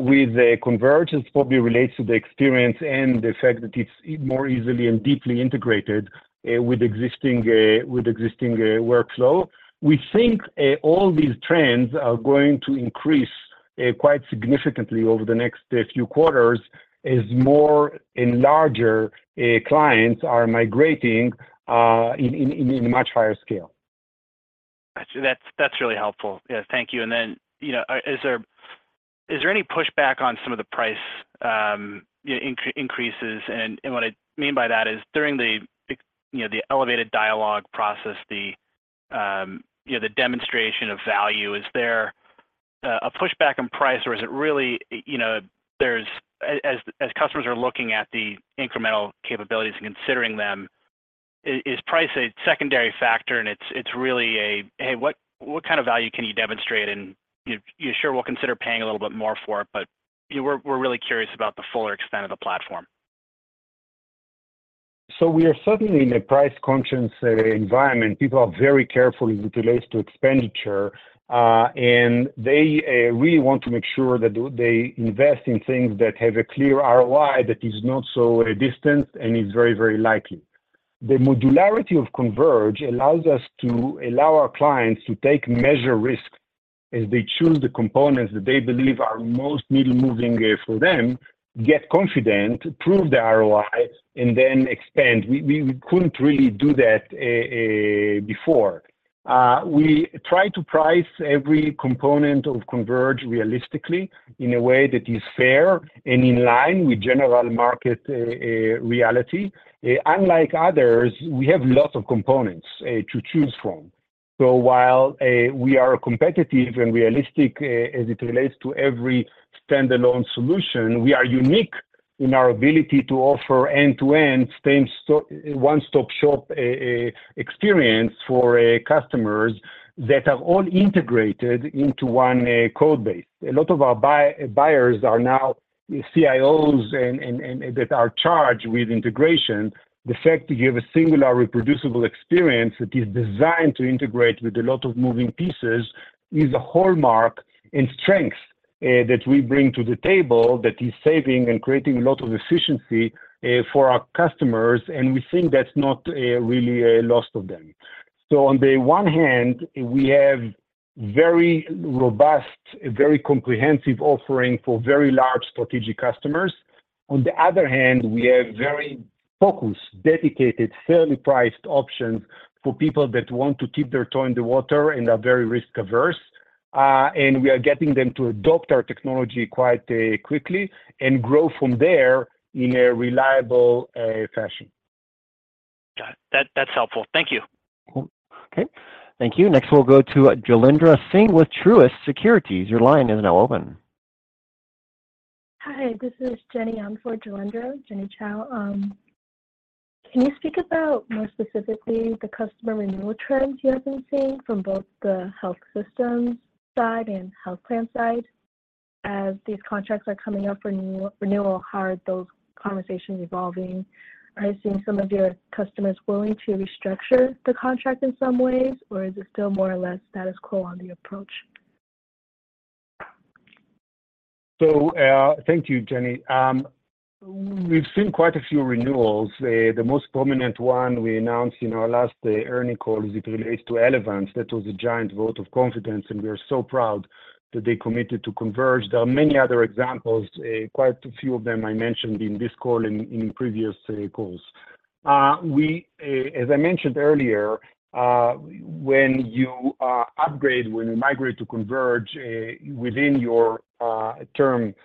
[SPEAKER 3] with Converge, and probably relates to the experience and the fact that it's more easily and deeply integrated with existing with existing workflow. We think all these trends are going to increase-... quite significantly over the next few quarters, as more and larger clients are migrating in a much higher scale.
[SPEAKER 7] Gotcha. That's, that's really helpful. Yeah, thank you. You know, is there, is there any pushback on some of the price increases? What I mean by that is during the, you know, the elevated dialogue process, the, you know, the demonstration of value, is there a pushback on price, or is it really, you know, there's as, as, as customers are looking at the incremental capabilities and considering them, is price a secondary factor and it's, it's really a, "Hey, what, what kind of value can you demonstrate? You sure we'll consider paying a little bit more for it, but, you know, we're, we're really curious about the fuller extent of the platform?
[SPEAKER 3] We are certainly in a price conscious environment. People are very careful as it relates to expenditure, and they really want to make sure that they invest in things that have a clear ROI that is not so distant and is very, very likely. The modularity of Converge allows us to allow our clients to take measured risks as they choose the components that they believe are most needle moving for them, get confident, prove the ROI, and then expand. We, we couldn't really do that before. We try to price every component of Converge realistically in a way that is fair and in line with general market reality. Unlike others, we have lots of components to choose from. While we are competitive and realistic as it relates to every standalone solution, we are unique in our ability to offer end-to-end same one-stop shop experience for customers that are all integrated into one code base. A lot of our buyers are now CIOs and that are charged with integration. The fact you have a similar reproducible experience that is designed to integrate with a lot of moving pieces, is a hallmark and strength that we bring to the table that is saving and creating a lot of efficiency for our customers, and we think that's not really a loss of them. On the one hand, we have very robust, very comprehensive offering for very large strategic customers. On the other hand, we have very focused, dedicated, fairly priced options for people that want to keep their toe in the water and are very risk averse. We are getting them to adopt our technology quite quickly and grow from there in a reliable fashion.
[SPEAKER 7] Got it. That, that's helpful. Thank you.
[SPEAKER 1] Cool. Okay, thank you. Next, we'll go to Jailendra Singh with Truist Securities. Your line is now open.
[SPEAKER 8] Hi, this is Jenny on for Jalindra, Jenny Chow. Can you speak about more specifically the customer renewal trends you have been seeing from both the health systems side and health plan side, as these contracts are coming up for new-renewal, how are those conversations evolving? Are you seeing some of your customers willing to restructure the contract in some ways, or is it still more or less status quo on the approach?
[SPEAKER 3] Thank you, Jenny. We've seen quite a few renewals. The most prominent one we announced in our last earning call, as it relates to Elevance. That was a giant vote of confidence, and we are so proud that they committed to Converge. There are many other examples, quite a few of them I mentioned in this call and in previous calls. We, as I mentioned earlier, when you upgrade, when you migrate to Converge, within your term,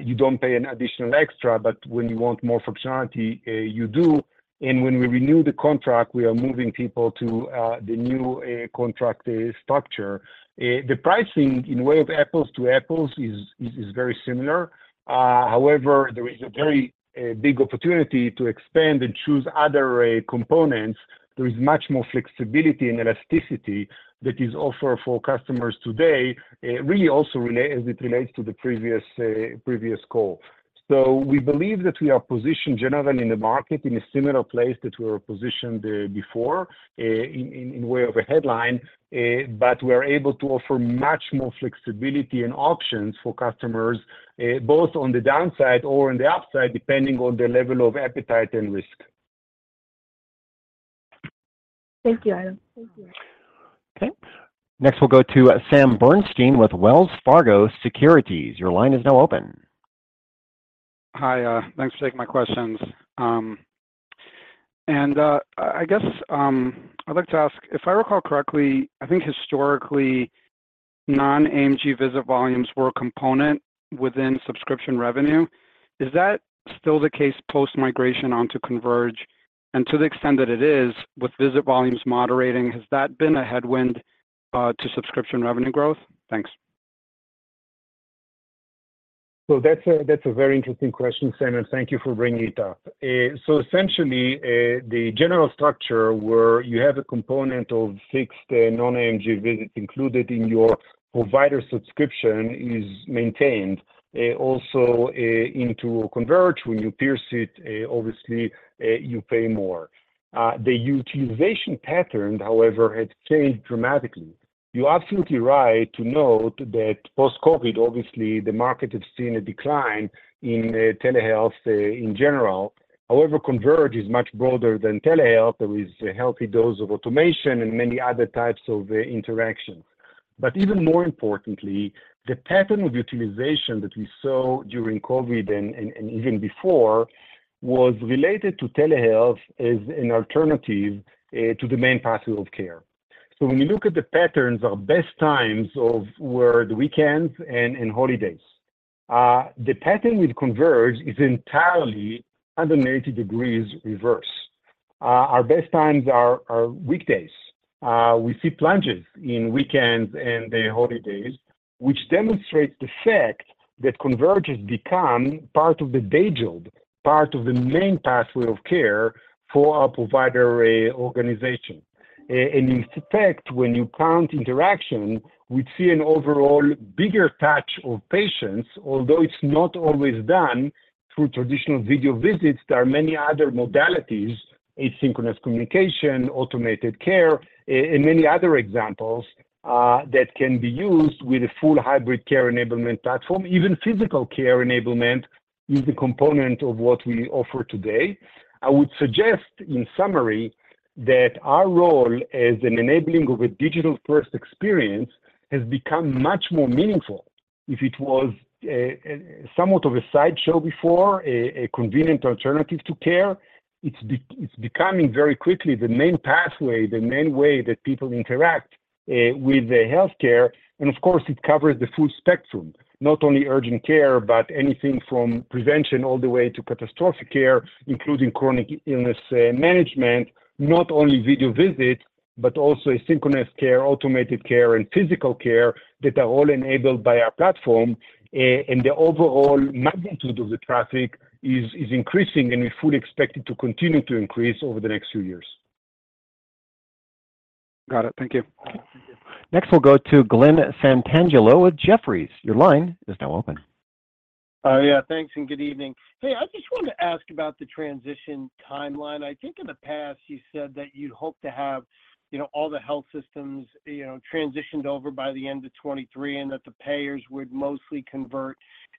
[SPEAKER 3] you don't pay an additional extra, but when you want more functionality, you do. When we renew the contract, we are moving people to the new contract structure. The pricing in way of apples to apples is very similar. However, there is a very big opportunity to expand and choose other components. There is much more flexibility and elasticity that is offered for customers today, really also as it relates to the previous previous call. We believe that we are positioned generally in the market, in a similar place that we were positioned before, in way of a headline, but we are able to offer much more flexibility and options for customers, both on the downside or on the upside, depending on their level of appetite and risk.
[SPEAKER 8] Thank you, Ido. Thank you.
[SPEAKER 1] Okay, next we'll go to Sam Bernstein with Wells Fargo Securities. Your line is now open.
[SPEAKER 9] Hi, thanks for taking my questions. I guess, I'd like to ask... If I recall correctly, I think historically, non-AMG visit volumes were a component within subscription revenue. Is that still the case post-migration onto Converge? To the extent that it is, with visit volumes moderating, has that been a headwind to subscription revenue growth? Thanks.
[SPEAKER 3] That's a, that's a very interesting question, Sam, and thank you for bringing it up. Essentially, the general structure where you have a component of six non-AMG visits included in your provider subscription is maintained, also, into Converge. When you pierce it, obviously, you pay more. The utilization pattern, however, has changed dramatically. You're absolutely right to note that post-COVID, obviously, the market has seen a decline in telehealth in general. However, Converge is much broader than telehealth. There is a healthy dose of automation and many other types of interactions. Even more importantly, the pattern of utilization that we saw during COVID and, and, and even before was related to telehealth as an alternative to the main pathway of care. When you look at the patterns of best times of where the weekends and holidays, the pattern with Converge is entirely 180 degrees reverse. Our best times are weekdays. We see plunges in weekends and the holidays, which demonstrates the fact that Converge has become part of the day job, part of the main pathway of care for our provider organization. And in fact, when you count interaction, we see an overall bigger patch of patients, although it's not always done through traditional video visits. There are many other modalities, asynchronous communication, automated care, and many other examples that can be used with a full hybrid care enablement platform. Even physical care enablement is a component of what we offer today. I would suggest, in summary, that our role as an enabling of a digital-first experience has become much more meaningful. If it was a somewhat of a sideshow before, a convenient alternative to care, it's becoming very quickly the main pathway, the main way that people interact with their healthcare. Of course, it covers the full spectrum, not only urgent care, but anything from prevention all the way to catastrophic care, including chronic illness management. Not only video visits, but also asynchronous care, automated care, and physical care that are all enabled by our platform, and the overall magnitude of the traffic is increasing, and we fully expect it to continue to increase over the next few years.
[SPEAKER 9] Got it. Thank you.
[SPEAKER 1] Next, we'll go to Glen Santangelo with Jefferies. Your line is now open.
[SPEAKER 10] Yeah, thanks, and good evening. Hey, I just wanted to ask about the transition timeline. I think in the past, you said that you'd hope to have, you know, all the health systems, you know, transitioned over by the end of 2023, and that the payers would mostly convert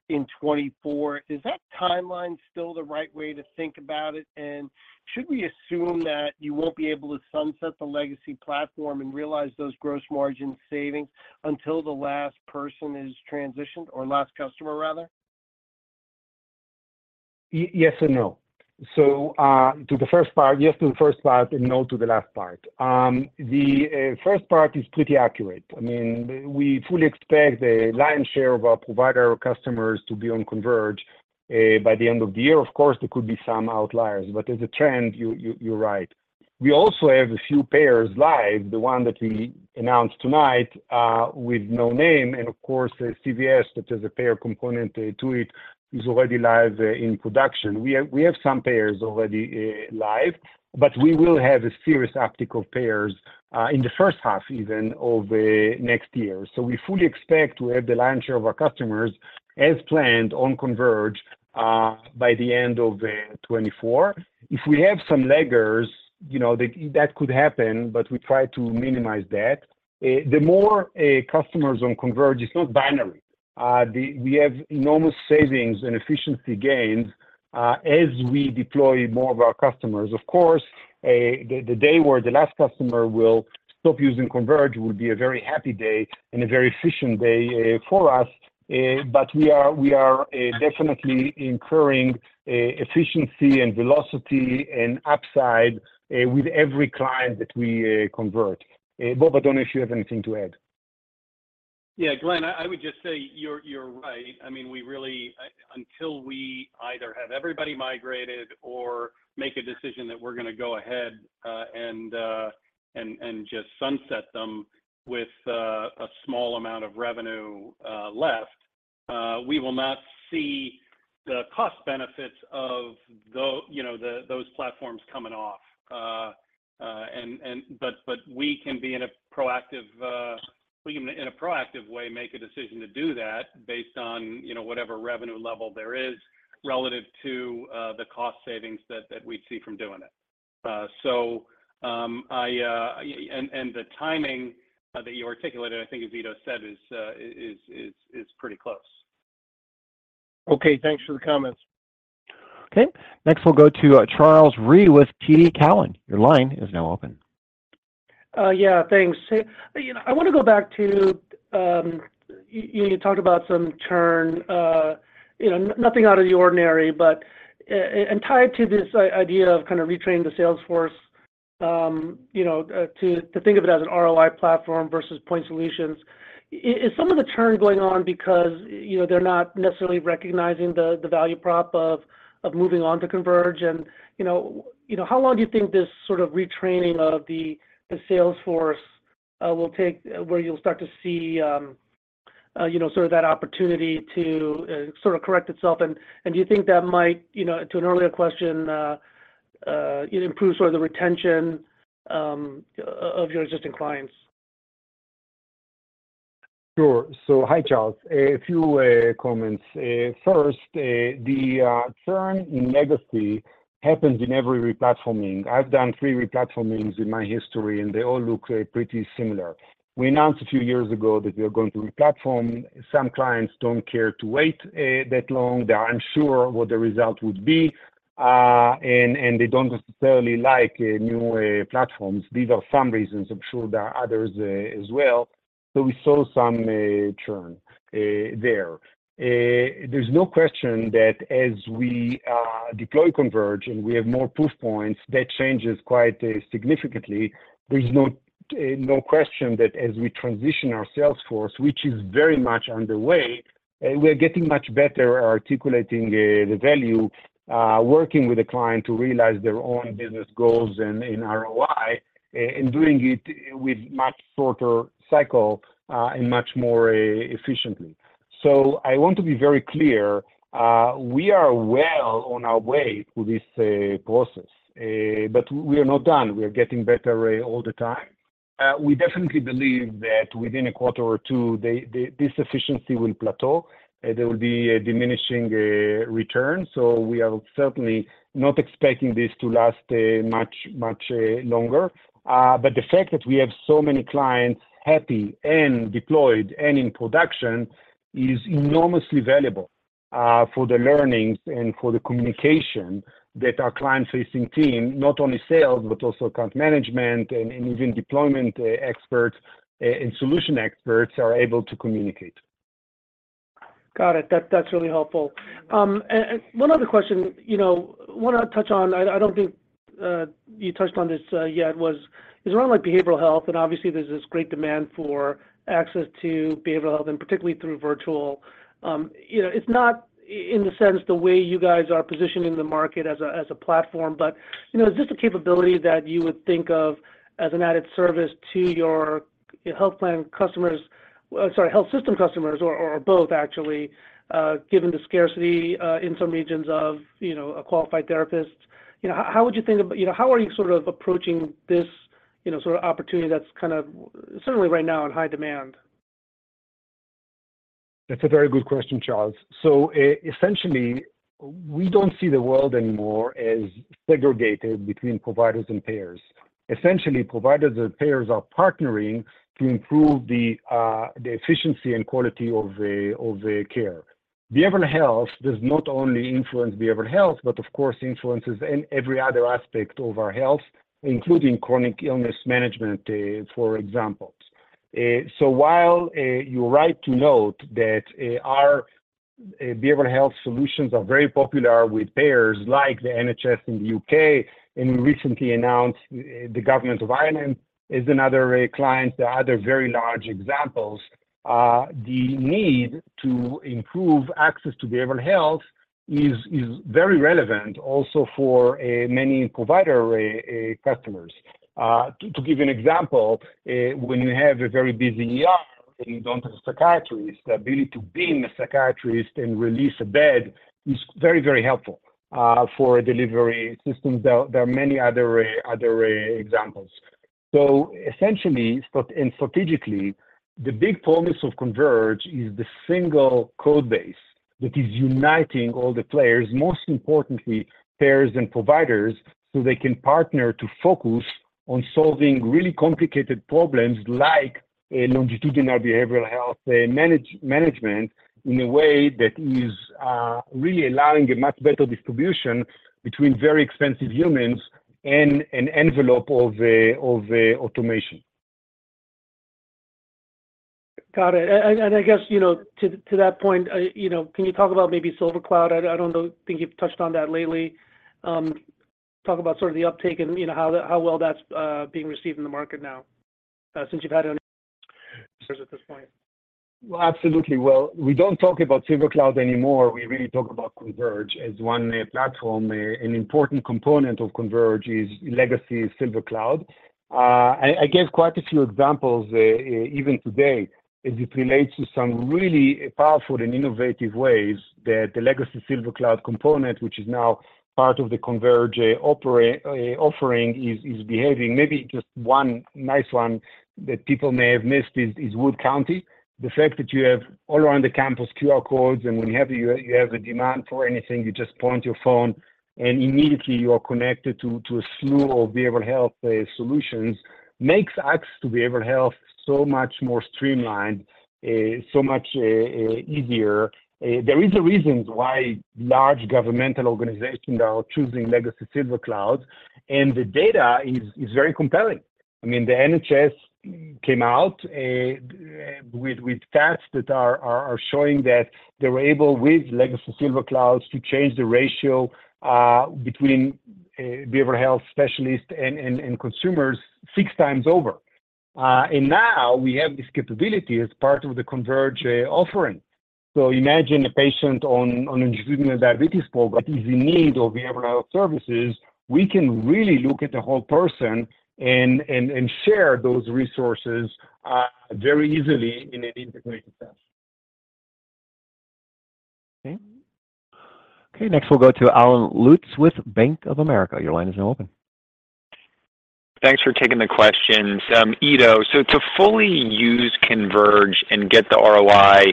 [SPEAKER 10] in 2024. Is that timeline still the right way to think about it? Should we assume that you won't be able to sunset the legacy platform and realize those gross margin savings until the last person is transitioned or last customer, rather?
[SPEAKER 3] Yes and no. Yes, to the first part and no to the last part. The first part is pretty accurate. I mean, we fully expect the lion's share of our provider customers to be on Converge by the end of the year. Of course, there could be some outliers, but as a trend, you, you, you're right. We also have a few payers live, the one that we announced tonight with no name, and of course, CVS, which has a payer component to it, is already live in production. We have, we have some payers already live, but we will have a serious optical payers in the first half, even of next year. We fully expect to have the lion's share of our customers as planned on Converge by the end of 2024. If we have some laggers, you know, that, that could happen, but we try to minimize that. The more customers on Converge, it's not binary. We have enormous savings and efficiency gains as we deploy more of our customers. Of course, the, the day where the last customer will stop using Converge will be a very happy day and a very efficient day for us. We are, we are definitely incurring efficiency and velocity and upside with every client that we convert. Bob, I don't know if you have anything to add.
[SPEAKER 4] Yeah, Glen, I, I would just say you're, you're right. I mean, we really. Until we either have everybody migrated or make a decision that we're gonna go ahead and just sunset them with a small amount of revenue left, we will not see the cost benefits of you know, those platforms coming off. But we can be in a proactive, we can, in a proactive way, make a decision to do that based on, you know, whatever revenue level there is relative to the cost savings that, that we'd see from doing it. So, I, the timing that you articulated, I think as Ido said, is, is, is pretty close.
[SPEAKER 10] Okay, thanks for the comments.
[SPEAKER 1] Okay, next we'll go to Charles Rhyee with TD Cowen. Your line is now open.
[SPEAKER 11] Yeah, thanks. Hey, you know, I want to go back to, you, you talked about some churn, you know, nothing out of the ordinary, but and tied to this idea of kind of retraining the sales force, you know, to, to think of it as an ROI platform versus point solutions. Is, is some of the churn going on because, you know, they're not necessarily recognizing the, the value prop of, of moving on to Converge? You know, you know, how long do you think this sort of retraining of the, the sales force will take, where you'll start to see, you know, sort of that opportunity to sort of correct itself? Do you think that might, you know, to an earlier question, it improves sort of the retention of your existing clients?
[SPEAKER 3] Hi, Charles. A few comments. First, the churn in legacy happens in every replatforming. I've done three replatformings in my history, and they all look pretty similar. We announced a few years ago that we are going to replatform. Some clients don't care to wait that long, they are unsure what the result would be, and, and they don't necessarily like new platforms. These are some reasons. I'm sure there are others as well. We saw some churn there. There's no question that as we deploy Converge and we have more proof points, that changes quite significantly. There's no no question that as we transition our sales force, which is very much underway, we are getting much better at articulating the, the value, working with the client to realize their own business goals and, and ROI, a-and doing it with much shorter cycle, and much more efficiently. I want to be very clear, we are well on our way through this process, but we are not done. We are getting better all the time. We definitely believe that within a quarter or two, the, the, this efficiency will plateau, there will be a diminishing return. We are certainly not expecting this to last much, much longer. The fact that we have so many clients happy and deployed and in production is enormously valuable, for the learnings and for the communication that our client-facing team, not only sales, but also account management and, and even deployment, experts, and solution experts, are able to communicate.
[SPEAKER 11] Got it. That, that's really helpful. And one other question, you know, I wanna touch on, I, I don't think, you touched on this, yet, was, is around like behavioral health, and obviously there's this great demand for access to behavioral health and particularly through virtual. You know, it's not i-in the sense the way you guys are positioning the market as a, as a platform, but, you know, is this a capability that you would think of as an added service to your, your health plan customers-- sorry, health system customers or, or both actually, given the scarcity, in some regions of, you know, a qualified therapist? You know, how, how would you think about... You know, how are you sort of approaching this, you know, sort of opportunity that's kind of certainly right now in high demand?
[SPEAKER 3] That's a very good question, Charles. Essentially, we don't see the world anymore as segregated between providers and payers. Essentially, providers and payers are partnering to improve the efficiency and quality of the care. Behavioral health does not only influence behavioral health, but of course, influences in every other aspect of our health, including chronic illness management, for example. While you're right to note that our behavioral health solutions are very popular with payers like the NHS in the UK, and we recently announced the government of Ireland is another client. There are other very large examples. The need to improve access to behavioral health is very relevant also for many provider customers. To give you an example, when you have a very busy ER and you don't have a psychiatrist, the ability to beam a psychiatrist and release a bed is very, very helpful for delivery systems. There, there are many other, other examples. Essentially, but and strategically, the big promise of Converge is the single code base that is uniting all the players, most importantly, payers and providers, so they can partner to focus on solving really complicated problems like a longitudinal behavioral health management, in a way that is really allowing a much better distribution between very expensive humans and an envelope of automation.
[SPEAKER 11] Got it. I guess, you know, to, to that point, you know, can you talk about maybe SilverCloud? I, I don't know, think you've touched on that lately. Talk about sort of the uptake and, you know, how, how well that's being received in the market now, since you've had it at this point.
[SPEAKER 3] Well, absolutely. Well, we don't talk about SilverCloud anymore. We really talk about Converge as 1 platform. An important component of Converge is Legacy SilverCloud. I gave quite a few examples even today, as it relates to some really powerful and innovative ways that the Legacy SilverCloud component, which is now part of the Converge offering, is behaving. Maybe just 1 nice 1 that people may have missed is Wood County. The fact that you have all around the campus QR codes, and whenever you have a demand for anything, you just point your phone and immediately you are connected to a slew of behavioral health solutions, makes access to behavioral health so much more streamlined, so much easier. There is a reason why large governmental organizations are choosing Legacy SilverCloud, and the data is very compelling. I mean, the NHS came out with stats that are showing that they were able, with Legacy SilverCloud, to change the ratio between behavioral health specialists and consumers 6 times over. Now we have this capability as part of the Converge offering. Imagine a patient on an individual diabetes program is in need of behavioral health services, we can really look at the whole person and share those resources very easily in an integrated sense.
[SPEAKER 1] Okay. Okay, next we'll go to Allen Lutz with Bank of America. Your line is now open.
[SPEAKER 12] Thanks for taking the questions. Ido, to fully use Converge and get the ROI,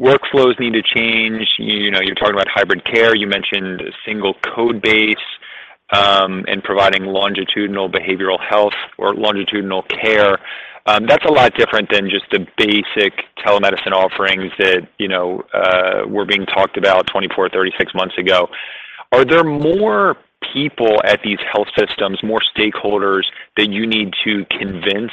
[SPEAKER 12] workflows need to change. You know, you're talking about hybrid care. You mentioned single code base, and providing longitudinal behavioral health or longitudinal care. That's a lot different than just the basic telemedicine offerings that, you know, were being talked about 24, 36 months ago. Are there more people at these health systems, more stakeholders that you need to convince,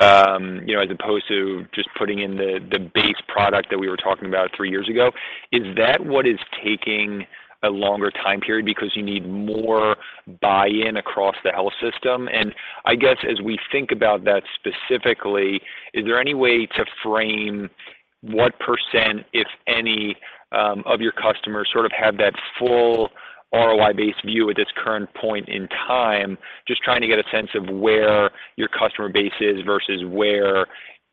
[SPEAKER 12] you know, as opposed to just putting in the, the base product that we were talking about 3 years ago? Is that what is taking a longer time period because you need more buy-in across the health system? I guess as we think about that specifically, is there any way to frame what %, if any, of your customers sort of have that full ROI-based view at this current point in time? Just trying to get a sense of where your customer base is versus where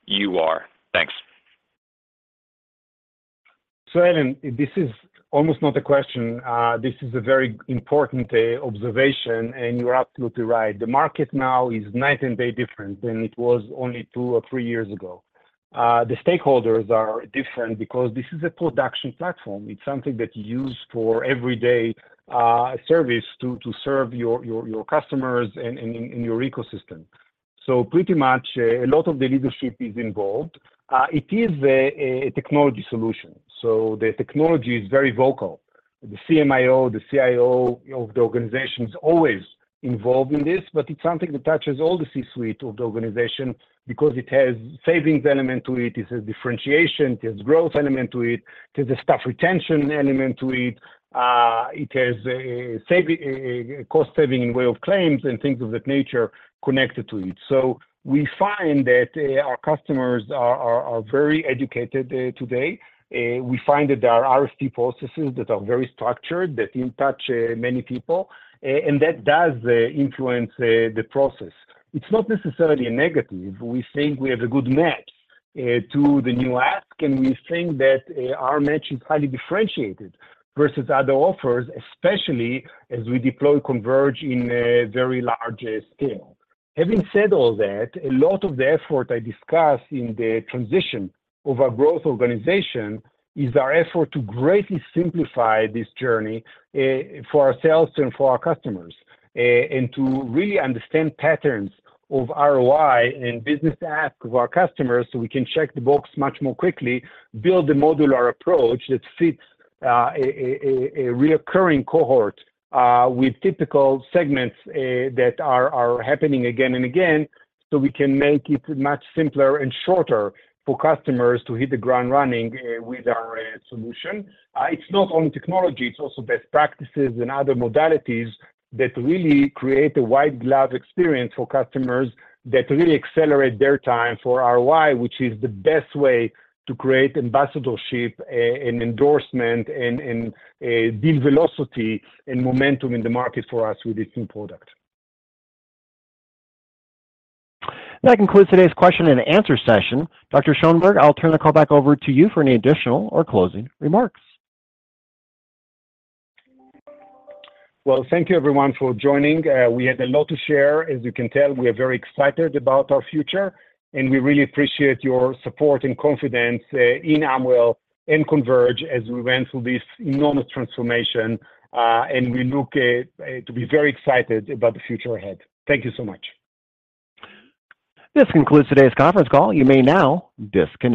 [SPEAKER 12] you are. Thanks.
[SPEAKER 3] Allen, this is almost not a question. This is a very important observation, and you are absolutely right. The market now is night and day different than it was only two or three years ago. The stakeholders are different because this is a production platform. It's something that you use for everyday service to, to serve your, your, your customers and, and in, in your ecosystem. Pretty much a lot of the leadership is involved. It is a technology solution, so the technology is very vocal. The CMIO, the CIO of the organization is always involved in this, but it's something that touches all the C-suite of the organization because it has savings element to it, it has differentiation, it has growth element to it, there's a staff retention element to it, it has a, a saving, a, a cost saving in way of claims and things of that nature connected to it. We find that our customers are, are, are very educated today. We find that there are RFP processes that are very structured, that touch many people, and that does influence the process. It's not necessarily a negative. We think we have a good match to the new ask, and we think that our match is highly differentiated versus other offers, especially as we deploy Converge in a very large scale. Having said all that, a lot of the effort I discussed in the transition of our growth organization is our effort to greatly simplify this journey, for ourselves and for our customers, and to really understand patterns of ROI and business ask of our customers, so we can check the box much more quickly, build a modular approach that fits, a, a, a, a reoccurring cohort, with typical segments, that are, are happening again and again, so we can make it much simpler and shorter for customers to hit the ground running, with our, solution. It's not only technology, it's also best practices and other modalities that really create a white glove experience for customers, that really accelerate their time for ROI, which is the best way to create ambassadorship, and endorsement and build velocity and momentum in the market for us with this new product.
[SPEAKER 1] That concludes today's question and answer session. Dr. Schoenberg, I'll turn the call back over to you for any additional or closing remarks.
[SPEAKER 3] Well, thank you everyone for joining. We had a lot to share. As you can tell, we are very excited about our future, and we really appreciate your support and confidence, in Amwell and Converge as we went through this enormous transformation. We look to be very excited about the future ahead. Thank you so much.
[SPEAKER 1] This concludes today's conference call. You may now disconnect.